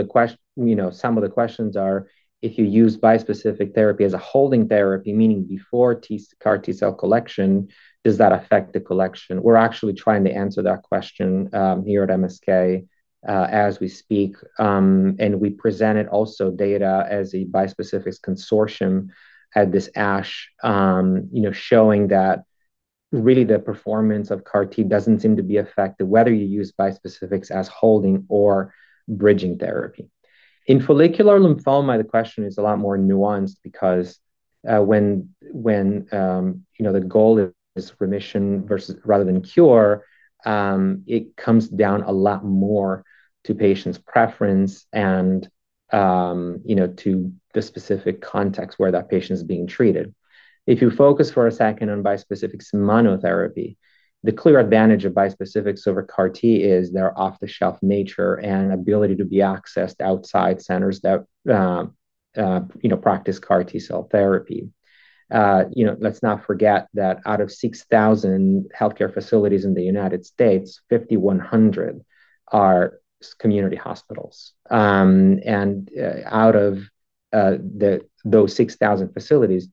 Speaker 3: some of the questions are, if you use bispecific therapy as a holding therapy, meaning before CAR-T cell collection, does that affect the collection? We're actually trying to answer that question here at MSK as we speak. And we presented also data as a bispecifics consortium at this ASH, showing that really the performance of CAR-T doesn't seem to be affected, whether you use bispecifics as holding or bridging therapy. In follicular lymphoma, the question is a lot more nuanced because when the goal is remission rather than cure, it comes down a lot more to patient's preference and to the specific context where that patient is being treated. If you focus for a second on bispecifics monotherapy, the clear advantage of bispecifics over CAR-T is their off-the-shelf nature and ability to be accessed outside centers that practice CAR-T cell therapy. Let's not forget that out of 6,000 healthcare facilities in the United States, 5,100 are community hospitals, and out of those 6,000 facilities,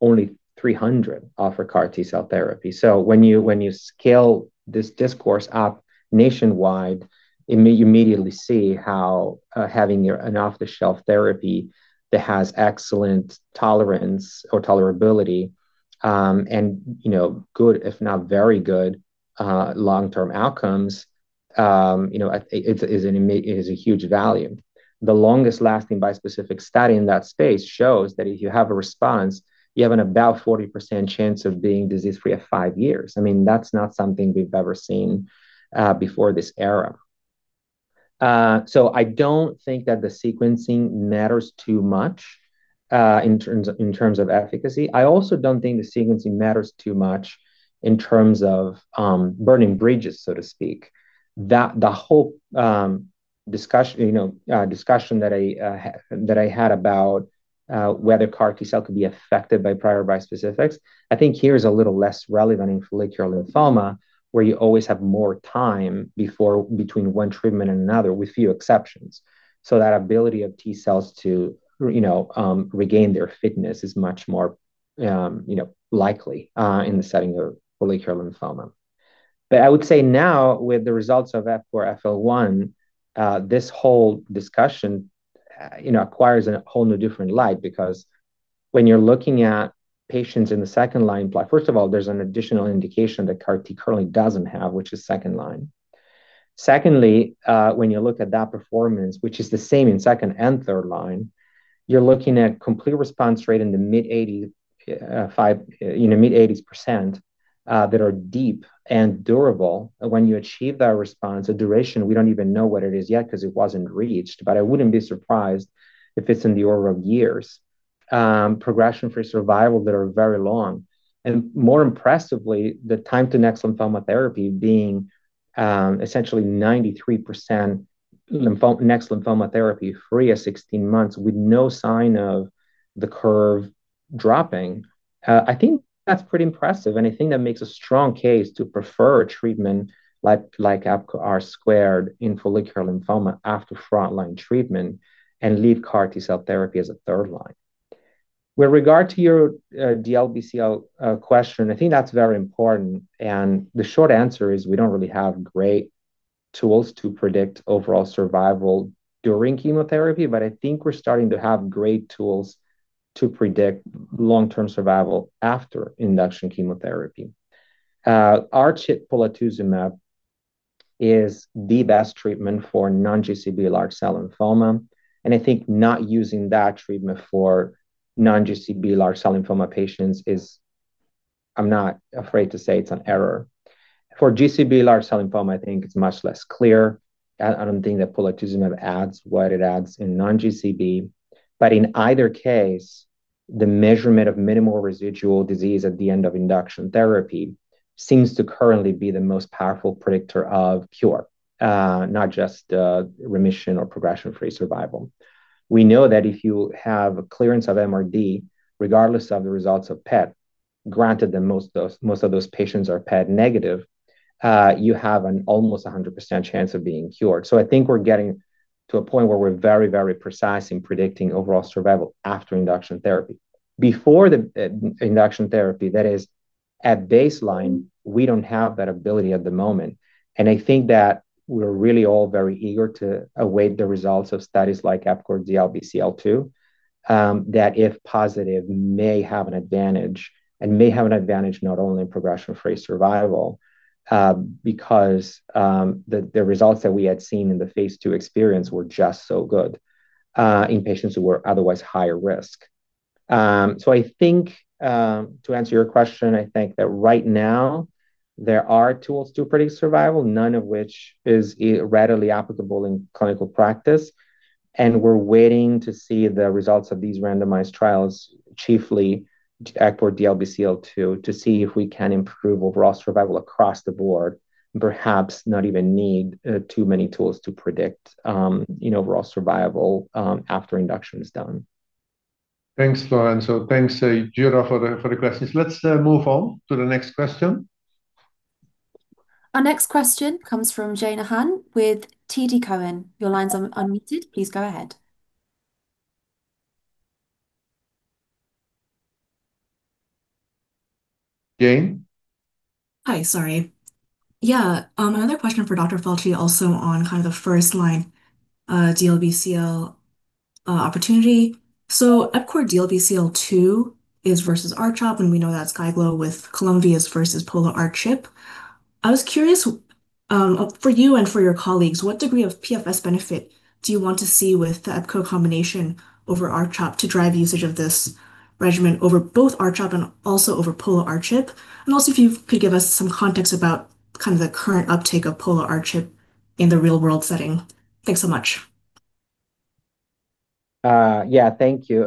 Speaker 3: only 300 offer CAR-T cell therapy, so when you scale this discourse up nationwide, you immediately see how having an off-the-shelf therapy that has excellent tolerance or tolerability and good, if not very good, long-term outcomes is a huge value. The longest-lasting bispecific study in that space shows that if you have a response, you have about a 40% chance of being disease-free at five years. I mean, that's not something we've ever seen before this era, so I don't think that the sequencing matters too much in terms of efficacy. I also don't think the sequencing matters too much in terms of burning bridges, so to speak. The whole discussion that I had about whether CAR-T cell could be affected by prior bispecifics, I think here is a little less relevant in follicular lymphoma, where you always have more time between one treatment and another, with few exceptions. So that ability of T cells to regain their fitness is much more likely in the setting of follicular lymphoma. But I would say now, with the results of EPCORE, AFL-1, this whole discussion acquires a whole new different light because when you're looking at patients in the second line, first of all, there's an additional indication that CAR-T currently doesn't have, which is second line. Secondly, when you look at that performance, which is the same in second and third line, you're looking at complete response rate in the mid-80s% that are deep and durable. When you achieve that response, the duration, we don't even know what it is yet because it wasn't reached, but I wouldn't be surprised if it's in the order of years, progression-free survival that are very long, and more impressively, the time-to-next lymphoma therapy being essentially 93% next lymphoma therapy free at 16 months with no sign of the curve dropping, I think that's pretty impressive, and I think that makes a strong case to prefer a treatment like EPCORE R-squared in follicular lymphoma after frontline treatment and leave CAR-T cell therapy as a third line. With regard to your DLBCL question, I think that's very important. And the short answer is we don't really have great tools to predict overall survival during chemotherapy, but I think we're starting to have great tools to predict long-term survival after induction chemotherapy. R-CHOP polatuzumab is the best treatment for non-GCB large-cell lymphoma. And I think not using that treatment for non-GCB large-cell lymphoma patients is, I'm not afraid to say, it's an error. For GCB large-cell lymphoma, I think it's much less clear. I don't think that polatuzumab adds what it adds in non-GCB. But in either case, the measurement of minimal residual disease at the end of induction therapy seems to currently be the most powerful predictor of cure, not just remission or progression-free survival. We know that if you have clearance of MRD, regardless of the results of PET, granted that most of those patients are PET negative, you have an almost 100% chance of being cured. So I think we're getting to a point where we're very, very precise in predicting overall survival after induction therapy. Before induction therapy, that is, at baseline, we don't have that ability at the moment. And I think that we're really all very eager to await the results of studies like EPCORE DLBCL2, that if positive, may have an advantage and may have an advantage not only in progression-free survival because the results that we had seen in the phase II experience were just so good in patients who were otherwise higher risk. So to answer your question, I think that right now, there are tools to predict survival, none of which is readily applicable in clinical practice. And we're waiting to see the results of these randomized trials, chiefly EPCORE DLBCL-2, to see if we can improve overall survival across the board and perhaps not even need too many tools to predict overall survival after induction is done.
Speaker 2: Thanks, Lorenzo. Thanks, Judith, for the questions. Let's move on to the next question.
Speaker 1: Our next question comes from Jieun Han with TD Cowen. Your line's unmuted. Please go ahead.
Speaker 2: Jane?
Speaker 9: Hi. Sorry. Yeah. My other question for Dr. Falchi also on kind of the first-line DLBCL opportunity. So EPCORE DLBCL-2 is versus R-CHOP, and we know that's glofitamab with Columvi versus Pola-R-CHP. I was curious, for you and for your colleagues, what degree of PFS benefit do you want to see with the epco combination over R-CHOP to drive usage of this regimen over both R-CHOP and also over Pola-R-CHP? And also, if you could give us some context about kind of the current uptake of Pola-R-CHP in the real-world setting. Thanks so much.
Speaker 3: Yeah. Thank you.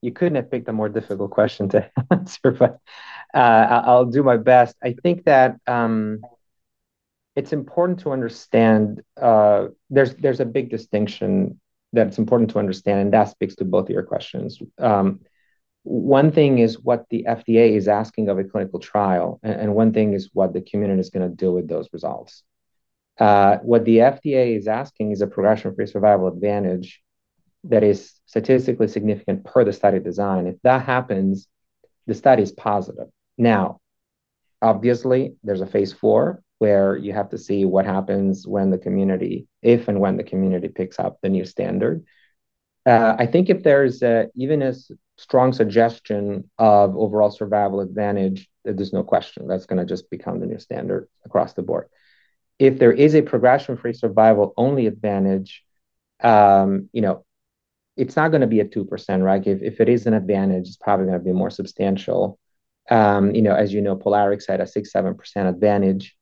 Speaker 3: You couldn't have picked a more difficult question to answer, but I'll do my best. I think that it's important to understand there's a big distinction that it's important to understand, and that speaks to both of your questions. One thing is what the FDA is asking of a clinical trial, and one thing is what the community is going to do with those results. What the FDA is asking is a progression-free survival advantage that is statistically significant per the study design. If that happens, the study is positive. Now, obviously, there's a phase IV where you have to see what happens if and when the community picks up the new standard. I think if there's even a strong suggestion of overall survival advantage, there's no question. That's going to just become the new standard across the board. If there is a progression-free survival-only advantage, it's not going to be at 2%. If it is an advantage, it's probably going to be more substantial. As you know, POLARIX had a 6%-7% advantage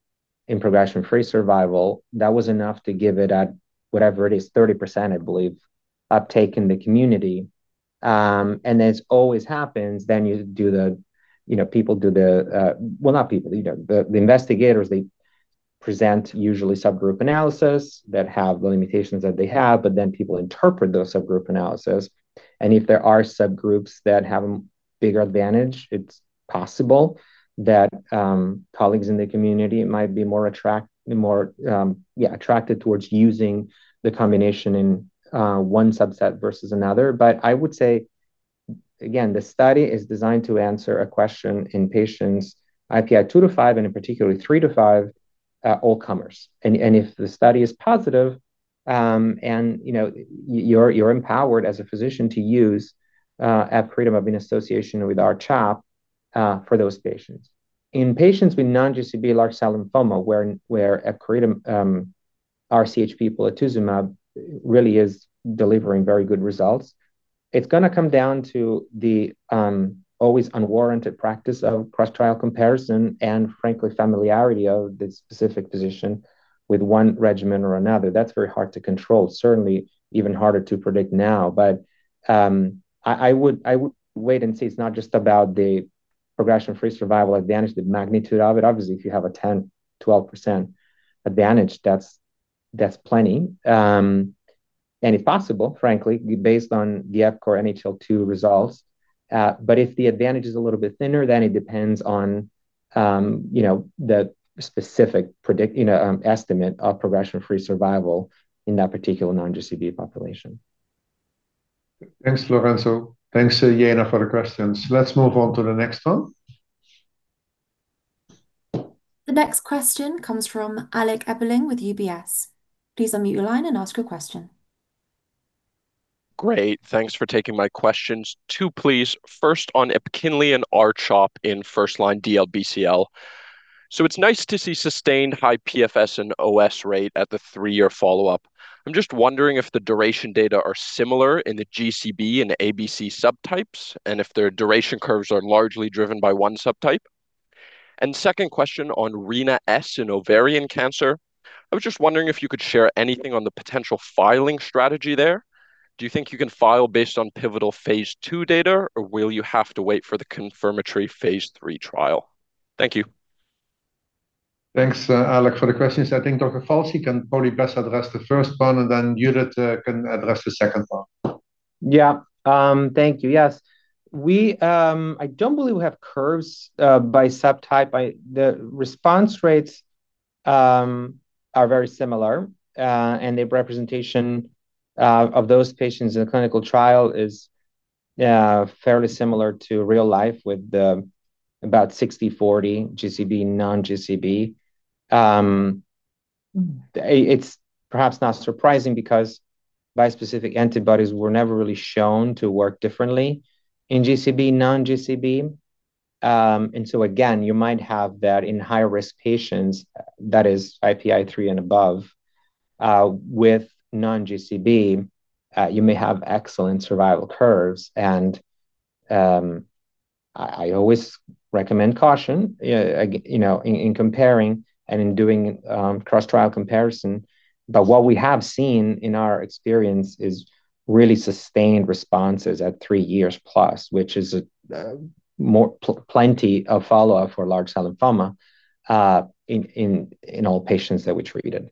Speaker 3: in progression-free survival. That was enough to give it whatever it is, 30%, I believe, uptake in the community. And as always happens, well, not people. The investigators, they present usually subgroup analysis that have the limitations that they have, but then people interpret those subgroup analysis. And if there are subgroups that have a bigger advantage, it's possible that colleagues in the community might be more, yeah, attracted towards using the combination in one subset versus another. But I would say, again, the study is designed to answer a question in patients IPI 2-5 and, in particular, 3-5 all-comers. If the study is positive, and you're empowered as a physician to use epcoritamab in association with R-CHOP for those patients, in patients with non-GCB large-cell lymphoma, where epcoritamab R-CHP Pola really is delivering very good results, it's going to come down to the always unwarranted practice of cross-trial comparison and, frankly, familiarity of the specific physician with one regimen or another. That's very hard to control, certainly even harder to predict now, but I would wait and see. It's not just about the progression-free survival advantage, the magnitude of it. Obviously, if you have a 10%-12% advantage, that's plenty, and if possible, frankly, based on the EPCORE NHL-2 results. But if the advantage is a little bit thinner, then it depends on the specific estimate of progression-free survival in that particular non-GCB population.
Speaker 2: Thanks, Lorenzo. Thanks, Jieun, for the questions. Let's move on to the next one.
Speaker 1: The next question comes from Alek Ebbeling with UBS. Please unmute your line and ask your question.
Speaker 10: Great. Thanks for taking my questions. Two, please. First, on EPKINLY and R-CHOP in first-line DLBCL. So it's nice to see sustained high PFS and OS rate at the three-year follow-up. I'm just wondering if the duration data are similar in the GCB and ABC subtypes and if their duration curves are largely driven by one subtype. And second question on Rina-S in ovarian cancer. I was just wondering if you could share anything on the potential filing strategy there. Do you think you can file based on pivotal phase II data, or will you have to wait for the confirmatory phase III trial? Thank you.
Speaker 2: Thanks, Alec, for the questions. I think Dr. Falchi can probably best address the first one, and then Judith can address the second one.
Speaker 3: Yeah. Thank you. Yes. I don't believe we have curves by subtype. The response rates are very similar, and the representation of those patients in the clinical trial is fairly similar to real life with about 60/40 GCB, non-GCB. It's perhaps not surprising because bispecific antibodies were never really shown to work differently in GCB, non-GCB. And so, again, you might have that in high-risk patients that is IPI 3 and above. With non-GCB, you may have excellent survival curves. And I always recommend caution in comparing and in doing cross-trial comparison. But what we have seen in our experience is really sustained responses at three years plus, which is plenty of follow-up for large-cell lymphoma in all patients that we treated.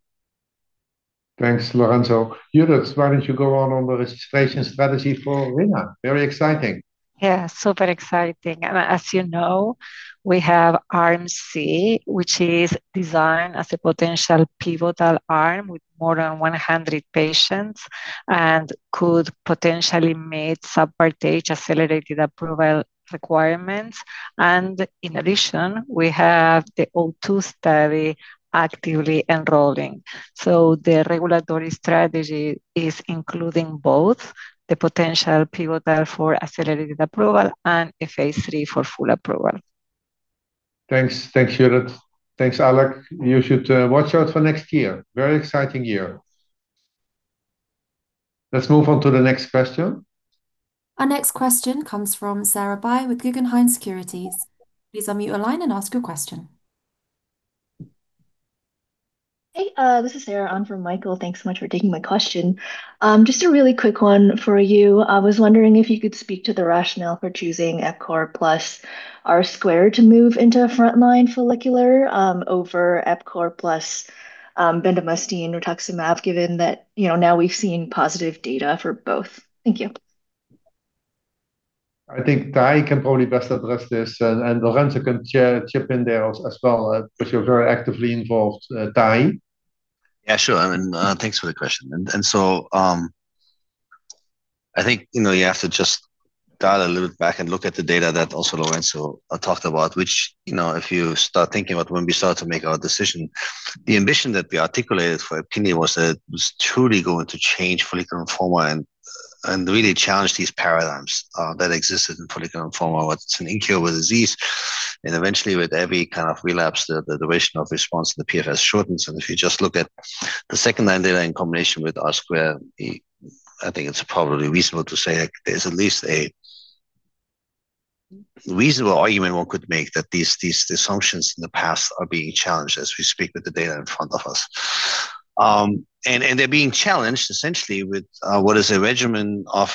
Speaker 2: Thanks, Lorenzo. Judith, why don't you go on to the registration strategy for Rina? Very exciting.
Speaker 7: Yeah. Super exciting. And as you know, we have Arm C, which is designed as a potential pivotal arm with more than 100 patients and could potentially meet subpart H accelerated approval requirements. And in addition, we have the O2 study actively enrolling. So the regulatory strategy is including both the potential pivotal for accelerated approval and a phase III for full approval.
Speaker 2: Thanks. Thanks, Judith. Thanks, Alek. You should watch out for next year. Very exciting year. Let's move on to the next question.
Speaker 1: Our next question comes from Sarah Bai with Guggenheim Securities. Please unmute your line and ask your question.
Speaker 11: Hey, this is Sarah. I'm from Michael. Thanks so much for taking my question. Just a really quick one for you. I was wondering if you could speak to the rationale for choosing epcor plus R-Squared to move into frontline follicular over epcor plus bendamustine and rituximab, given that now we've seen positive data for both. Thank you.
Speaker 2: I think Tahamtan can probably best address this, and Lorenzo can chip in there as well, because you're very actively involved, Tahamtan.
Speaker 5: Yeah, sure, and thanks for the question. I think you have to just dial a little bit back and look at the data that also Lorenzo talked about, which if you start thinking about when we started to make our decision, the ambition that we articulated for EPKINLY was that it was truly going to change follicular lymphoma and really challenge these paradigms that existed in follicular lymphoma while it's an incurable disease. Eventually, with every kind of relapse, the duration of response to the PFS shortens. If you just look at the second-line data in combination with R-Squared, I think it's probably reasonable to say there's at least a reasonable argument one could make that these assumptions in the past are being challenged as we speak with the data in front of us. And they're being challenged essentially with what is a regimen of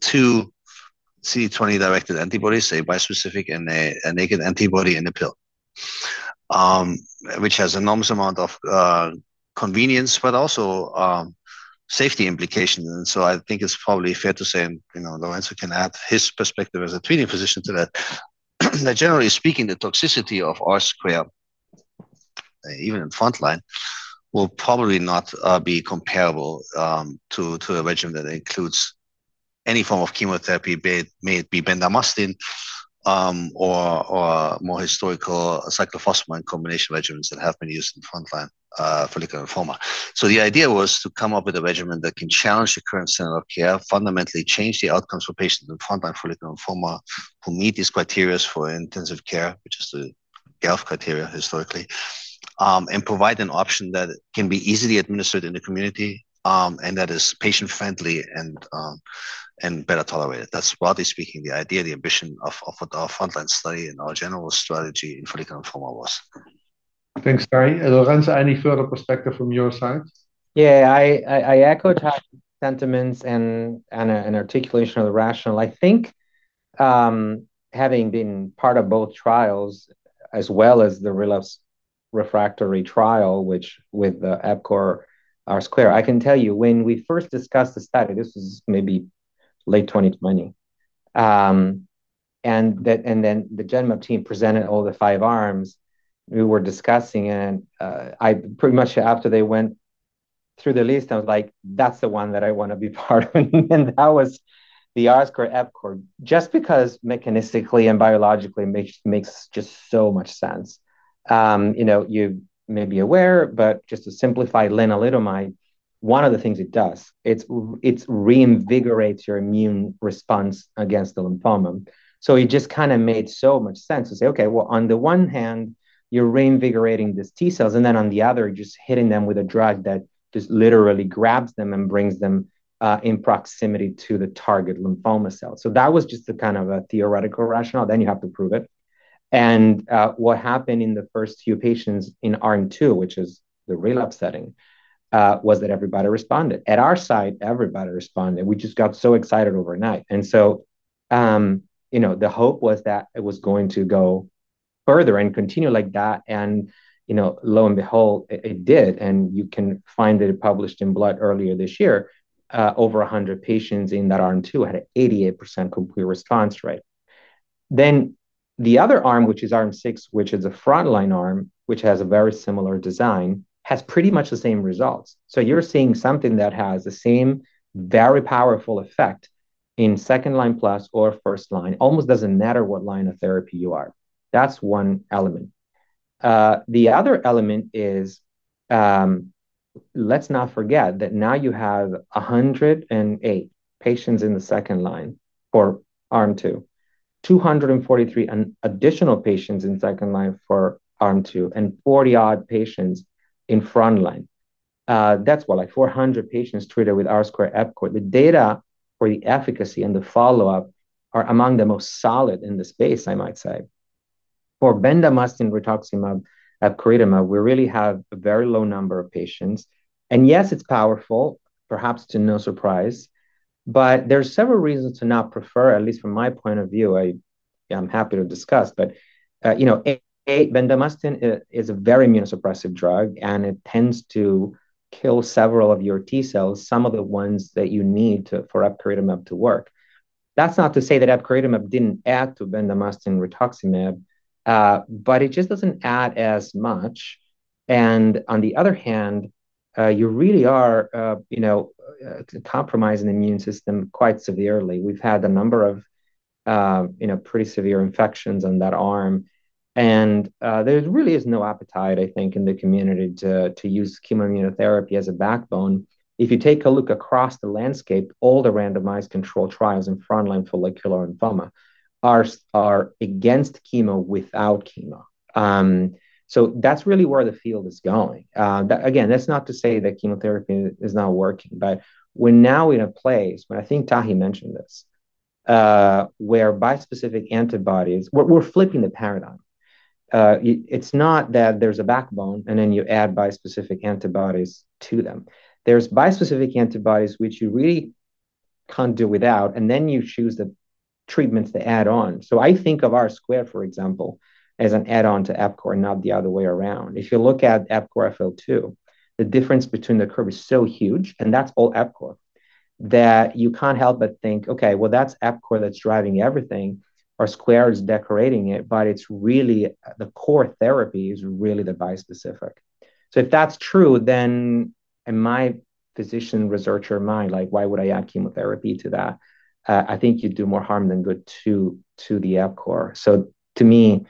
Speaker 5: two CD20-directed antibodies, a bispecific and a naked antibody in a pill, which has an enormous amount of convenience, but also safety implications. And so I think it's probably fair to say, and Lorenzo can add his perspective as a treating physician to that, that generally speaking, the toxicity of R-Squared, even in frontline, will probably not be comparable to a regimen that includes any form of chemotherapy, may it be bendamustine or more historical cyclophosphamide combination regimens that have been used in frontline follicular lymphoma. The idea was to come up with a regimen that can challenge the current standard of care, fundamentally change the outcomes for patients in frontline follicular lymphoma who meet these criteria for intensive care, which is the GELF criteria historically, and provide an option that can be easily administered in the community and that is patient-friendly and better tolerated. That's broadly speaking the idea, the ambition of our frontline study and our general strategy in follicular lymphoma was.
Speaker 2: Thanks, Tahamtan. Lorenzo, any further perspective from your side?
Speaker 3: Yeah. I echo Tahamtan's sentiments and an articulation of the rationale. I think having been part of both trials as well as the relapse refractory trial, which is the EPCORE R-squared, I can tell you when we first discussed the study. This was maybe late 2020, and then the Genmab team presented all the five arms we were discussing. Pretty much after they went through the list, I was like, "That's the one that I want to be part of." That was the R-squared EPCORE, just because mechanistically and biologically makes just so much sense. You may be aware, but just to simplify lenalidomide, one of the things it does, it reinvigorates your immune response against the lymphoma. It just kind of made so much sense to say, "Okay, well, on the one hand, you're reinvigorating these T cells, and then on the other, you're just hitting them with a drug that just literally grabs them and brings them in proximity to the target lymphoma cells." That was just kind of a theoretical rationale. You have to prove it. What happened in the first few patients in arm two, which is the relapse setting, was that everybody responded. At our site, everybody responded. We just got so excited overnight, and so the hope was that it was going to go further and continue like that, and lo and behold, it did, and you can find that it published in Blood earlier this year. Over 100 patients in that arm two had an 88% complete response rate, then the other arm, which is arm six, which is a frontline arm, which has a very similar design, has pretty much the same results, so you're seeing something that has the same very powerful effect in second-line plus or first-line. Almost doesn't matter what line of therapy you are. That's one element. The other element is let's not forget that now you have 108 patients in the second line for arm two, 243 additional patients in second line for arm two, and 40-odd patients in frontline. That's what, like 400 patients treated with R-squared EPCORE. The data for the efficacy and the follow-up are among the most solid in the space, I might say. For bendamustine rituximab epcoritamab, we really have a very low number of patients, and yes, it's powerful, perhaps to no surprise, but there are several reasons to not prefer, at least from my point of view. I'm happy to discuss, but bendamustine is a very immunosuppressive drug, and it tends to kill several of your T cells, some of the ones that you need for epcoritamab to work. That's not to say that epcoritamab didn't add to bendamustine rituximab, but it just doesn't add as much, and on the other hand, you really are compromising the immune system quite severely. We've had a number of pretty severe infections on that arm, and there really is no appetite, I think, in the community to use chemoimmunotherapy as a backbone. If you take a look across the landscape, all the randomized control trials in frontline follicular lymphoma are against chemo without chemo. So that's really where the field is going. Again, that's not to say that chemotherapy is not working. But we're now in a place where I think Thai mentioned this, where bispecific antibodies, we're flipping the paradigm. It's not that there's a backbone and then you add bispecific antibodies to them. There's bispecific antibodies, which you really can't do without, and then you choose the treatments to add on. So I think of R-squared, for example, as an add-on to EPCORE, not the other way around. If you look at EPCORE FL2, the difference between the curve is so huge, and that's all EPCORE, that you can't help but think, "Okay, well, that's EPCORE that's driving everything. R-squared is decorating it, but the core therapy is really the bispecific." So if that's true, then in my physician researcher mind, why would I add chemotherapy to that? I think you'd do more harm than good to the EPCORE. So to me,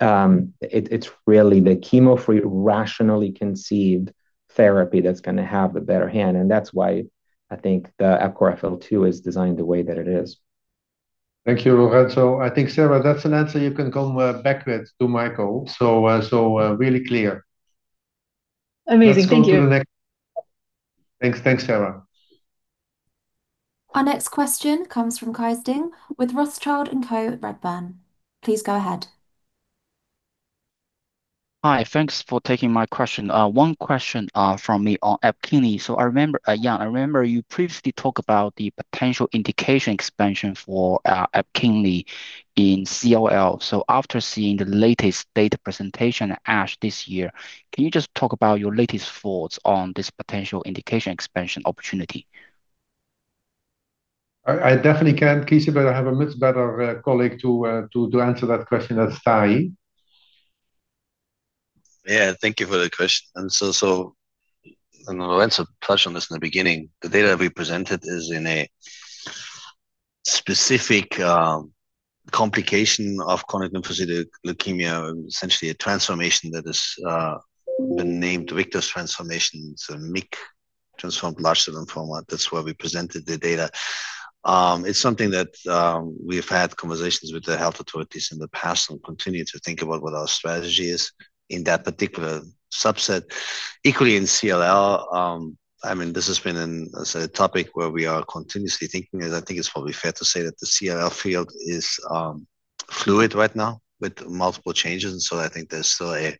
Speaker 3: it's really the chemo-free rationally conceived therapy that's going to have a better hand. And that's why I think the EPCORE FL-2 is designed the way that it is.
Speaker 2: Thank you, Lorenzo. I think, Sarah, that's an answer you can come back with to Michael. So really clear.
Speaker 11: Amazing. Thank you.
Speaker 2: Thanks, Sarah.
Speaker 1: Our next question comes from Qize Ding with Rothschild & Co Redburn. Please go ahead. Hi. Thanks for taking my question.
Speaker 12: One question from me on EPKINLY. So yeah, I remember you previously talked about the potential indication expansion for EPKINLY in CLL. So after seeing the latest data presentation at ASH this year, can you just talk about your latest thoughts on this potential indication expansion opportunity?
Speaker 2: I definitely can. Qize, but I have a much better colleague to answer that question. That's Thai.
Speaker 5: Yeah. Thank you for the question. And so Lorenzo touched on this in the beginning. The data that we presented is in a specific complication of chronic lymphocytic leukemia, essentially a transformation that has been named Richter's transformation. So Richter's transformed large cell lymphoma. That's where we presented the data. It's something that we've had conversations with the health authorities in the past and continue to think about what our strategy is in that particular subset. Equally in CLL, I mean, this has been a topic where we are continuously thinking. And I think it's probably fair to say that the CLL field is fluid right now with multiple changes. And so I think there's still a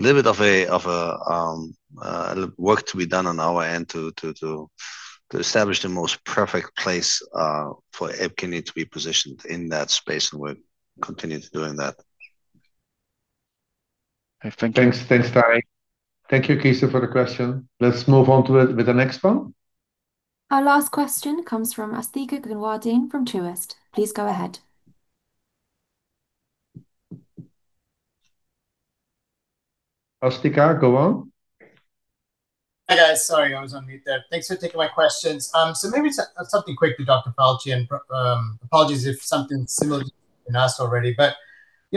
Speaker 5: little bit of work to be done on our end to establish the most perfect place for EPKINLY to be positioned in that space, and we're continuing to do that.
Speaker 2: Thanks, Thai. Thank you, Qize, for the question. Let's move on to the next one.
Speaker 1: Our last question comes from Asthika Goonewardene from Truist. Please go ahead. Asthika, go on.
Speaker 13: c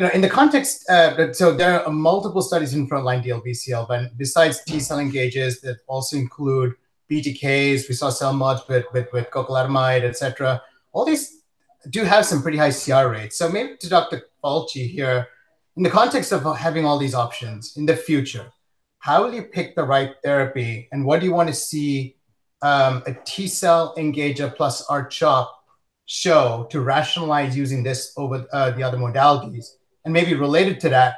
Speaker 3: Yeah.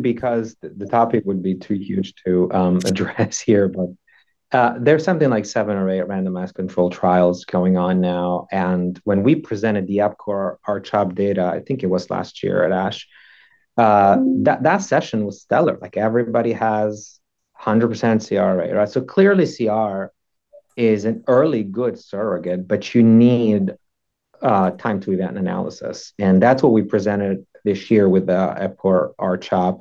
Speaker 3: Because the topic would be too huge to address here. But there's something like seven or eight randomized control trials going on now. And when we presented the EPCORE R-CHOP data, I think it was last year at ASH, that session was stellar. Everybody has 100% CR rate. So clearly, CR is an early good surrogate, but you need time-to-event analysis. That's what we presented this year with the EPCORE R-CHOP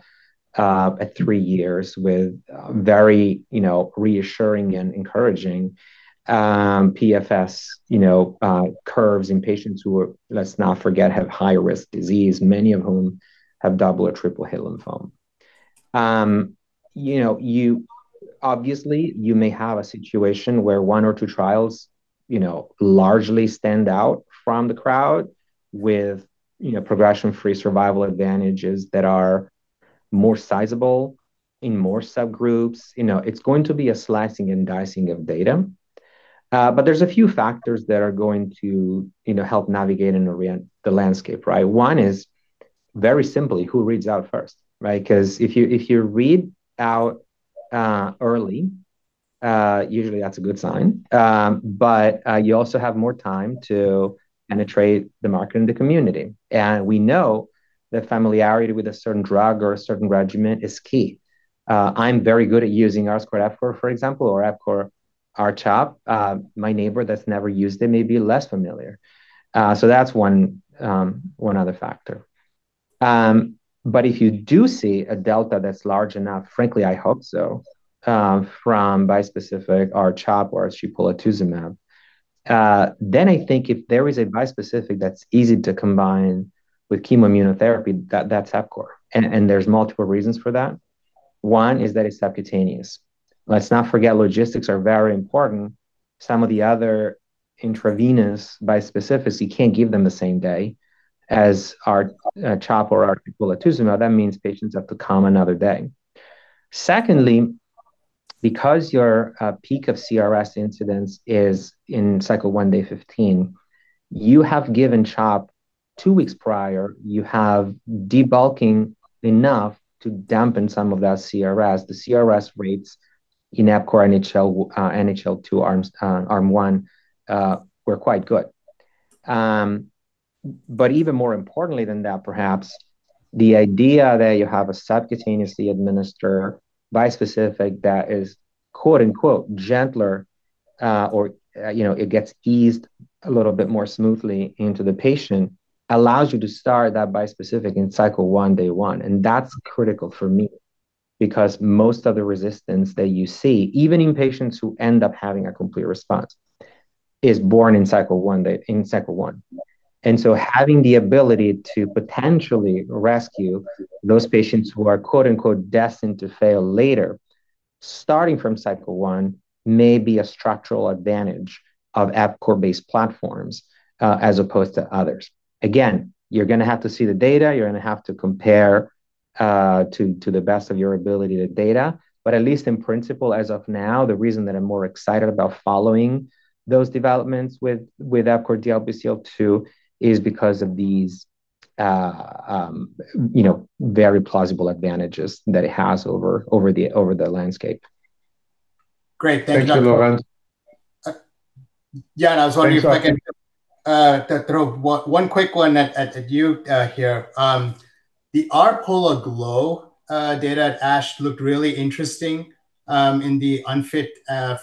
Speaker 3: at three years with very reassuring and encouraging PFS curves in patients who are, let's not forget, have high-risk disease, many of whom have double or triple hit lymphoma. Obviously, you may have a situation where one or two trials largely stand out from the crowd with progression-free survival advantages that are more sizable in more subgroups. It's going to be a slicing and dicing of data. There's a few factors that are going to help navigate and orient the landscape. One is very simply, who reads out first? Because if you read out early, usually that's a good sign. You also have more time to penetrate the market and the community. We know that familiarity with a certain drug or a certain regimen is key. I'm very good at using R-squared EPCOR, for example, or EPCOR R-CHOP. My neighbor that's never used it may be less familiar, so that's one other factor, but if you do see a delta that's large enough, frankly, I hope so, from bispecific R-CHOP or epcoritamab, then I think if there is a bispecific that's easy to combine with chemoimmunotherapy, that's EPCOR, and there's multiple reasons for that. One is that it's subcutaneous. Let's not forget logistics are very important. Some of the other intravenous bispecifics you can't give them the same day as R-CHOP or epcoritamab. That means patients have to come another day. Secondly, because your peak of CRS incidence is in cycle one day 15, you have given CHOP two weeks prior, you have debulking enough to dampen some of that CRS. The CRS rates in EPCORE NHL-2 arm one were quite good. But even more importantly than that, perhaps, the idea that you have a subcutaneously administered bispecific that is quote-unquote gentler or it gets eased a little bit more smoothly into the patient allows you to start that bispecific in cycle one day one. And that's critical for me because most of the resistance that you see, even in patients who end up having a complete response, is born in cycle one. And so having the ability to potentially rescue those patients who are quote-unquote destined to fail later, starting from cycle one, may be a structural advantage of EPCORE-based platforms as opposed to others. Again, you're going to have to see the data. You're going to have to compare to the best of your ability the data. But at least in principle, as of now, the reason that I'm more excited about following those developments with EPCORE DLBCL2 is because of these very plausible advantages that it has over the landscape.
Speaker 2: Great. Thank you, Lorenzo.
Speaker 13: Yeah, and I was wondering if I can throw one quick one at you here. The R-Pola-Glo data at ASH looked really interesting in the unfit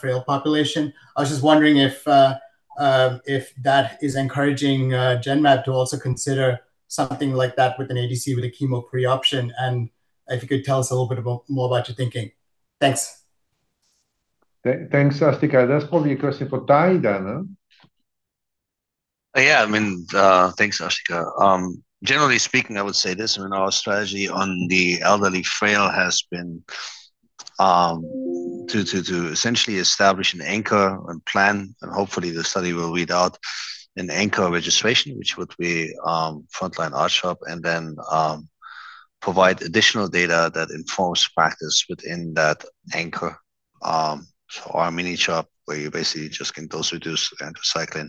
Speaker 13: frail population. I was just wondering if that is encouraging Genmab to also consider something like that with an ADC with a chemo-free option. And if you could tell us a little bit more about your thinking. Thanks.
Speaker 2: Thanks, Asthika. That's probably a question for Tahamtan, then.
Speaker 5: Yeah. I mean, thanks, Asthika. Generally speaking, I would say this. I mean, our strategy on the elderly frail has been to essentially establish an anchor plan. Hopefully, the study will read out an anchor registration, which would be frontline R-CHOP, and then provide additional data that informs practice within that anchor. Our mini-CHOP where you basically just can dose-reduce and recycle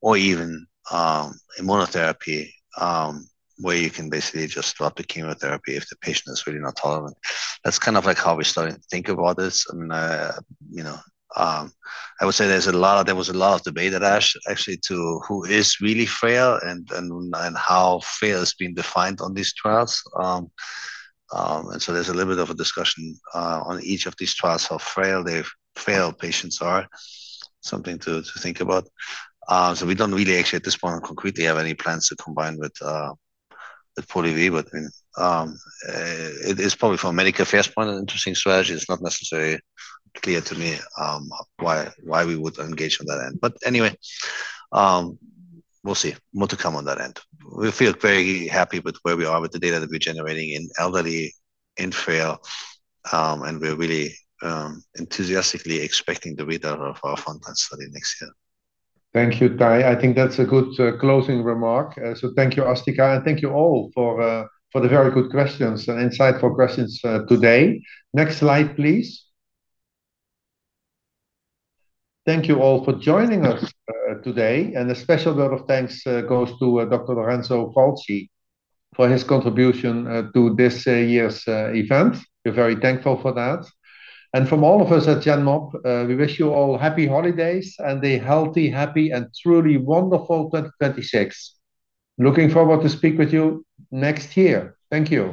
Speaker 5: or even immunotherapy where you can basically just drop the chemotherapy if the patient is really not tolerant. That's kind of like how we started to think about this. I mean, I would say there was a lot of debate at ASH actually to who is really frail and how frail is being defined on these trials. There's a little bit of a discussion on each of these trials how frail the frail patients are, something to think about. We don't really actually at this point concretely have any plans to combine with POLIVY. I mean, it is probably from Medicare, fair point, an interesting strategy. It's not necessarily clear to me why we would engage on that end. But anyway, we'll see. More to come on that end. We feel very happy with where we are with the data that we're generating in elderly and frail. And we're really enthusiastically expecting the result of our frontline study next year.
Speaker 2: Thank you, Thai. I think that's a good closing remark. So thank you, Asthika. And thank you all for the very good questions and insightful questions today. Next slide, please. Thank you all for joining us today. And a special bit of thanks goes to Dr. Lorenzo Falchi for his contribution to this year's event. We're very thankful for that. And from all of us at Genmab, we wish you all happy holidays and a healthy, happy, and truly wonderful 2026. Looking forward to speak with you next year. Thank you.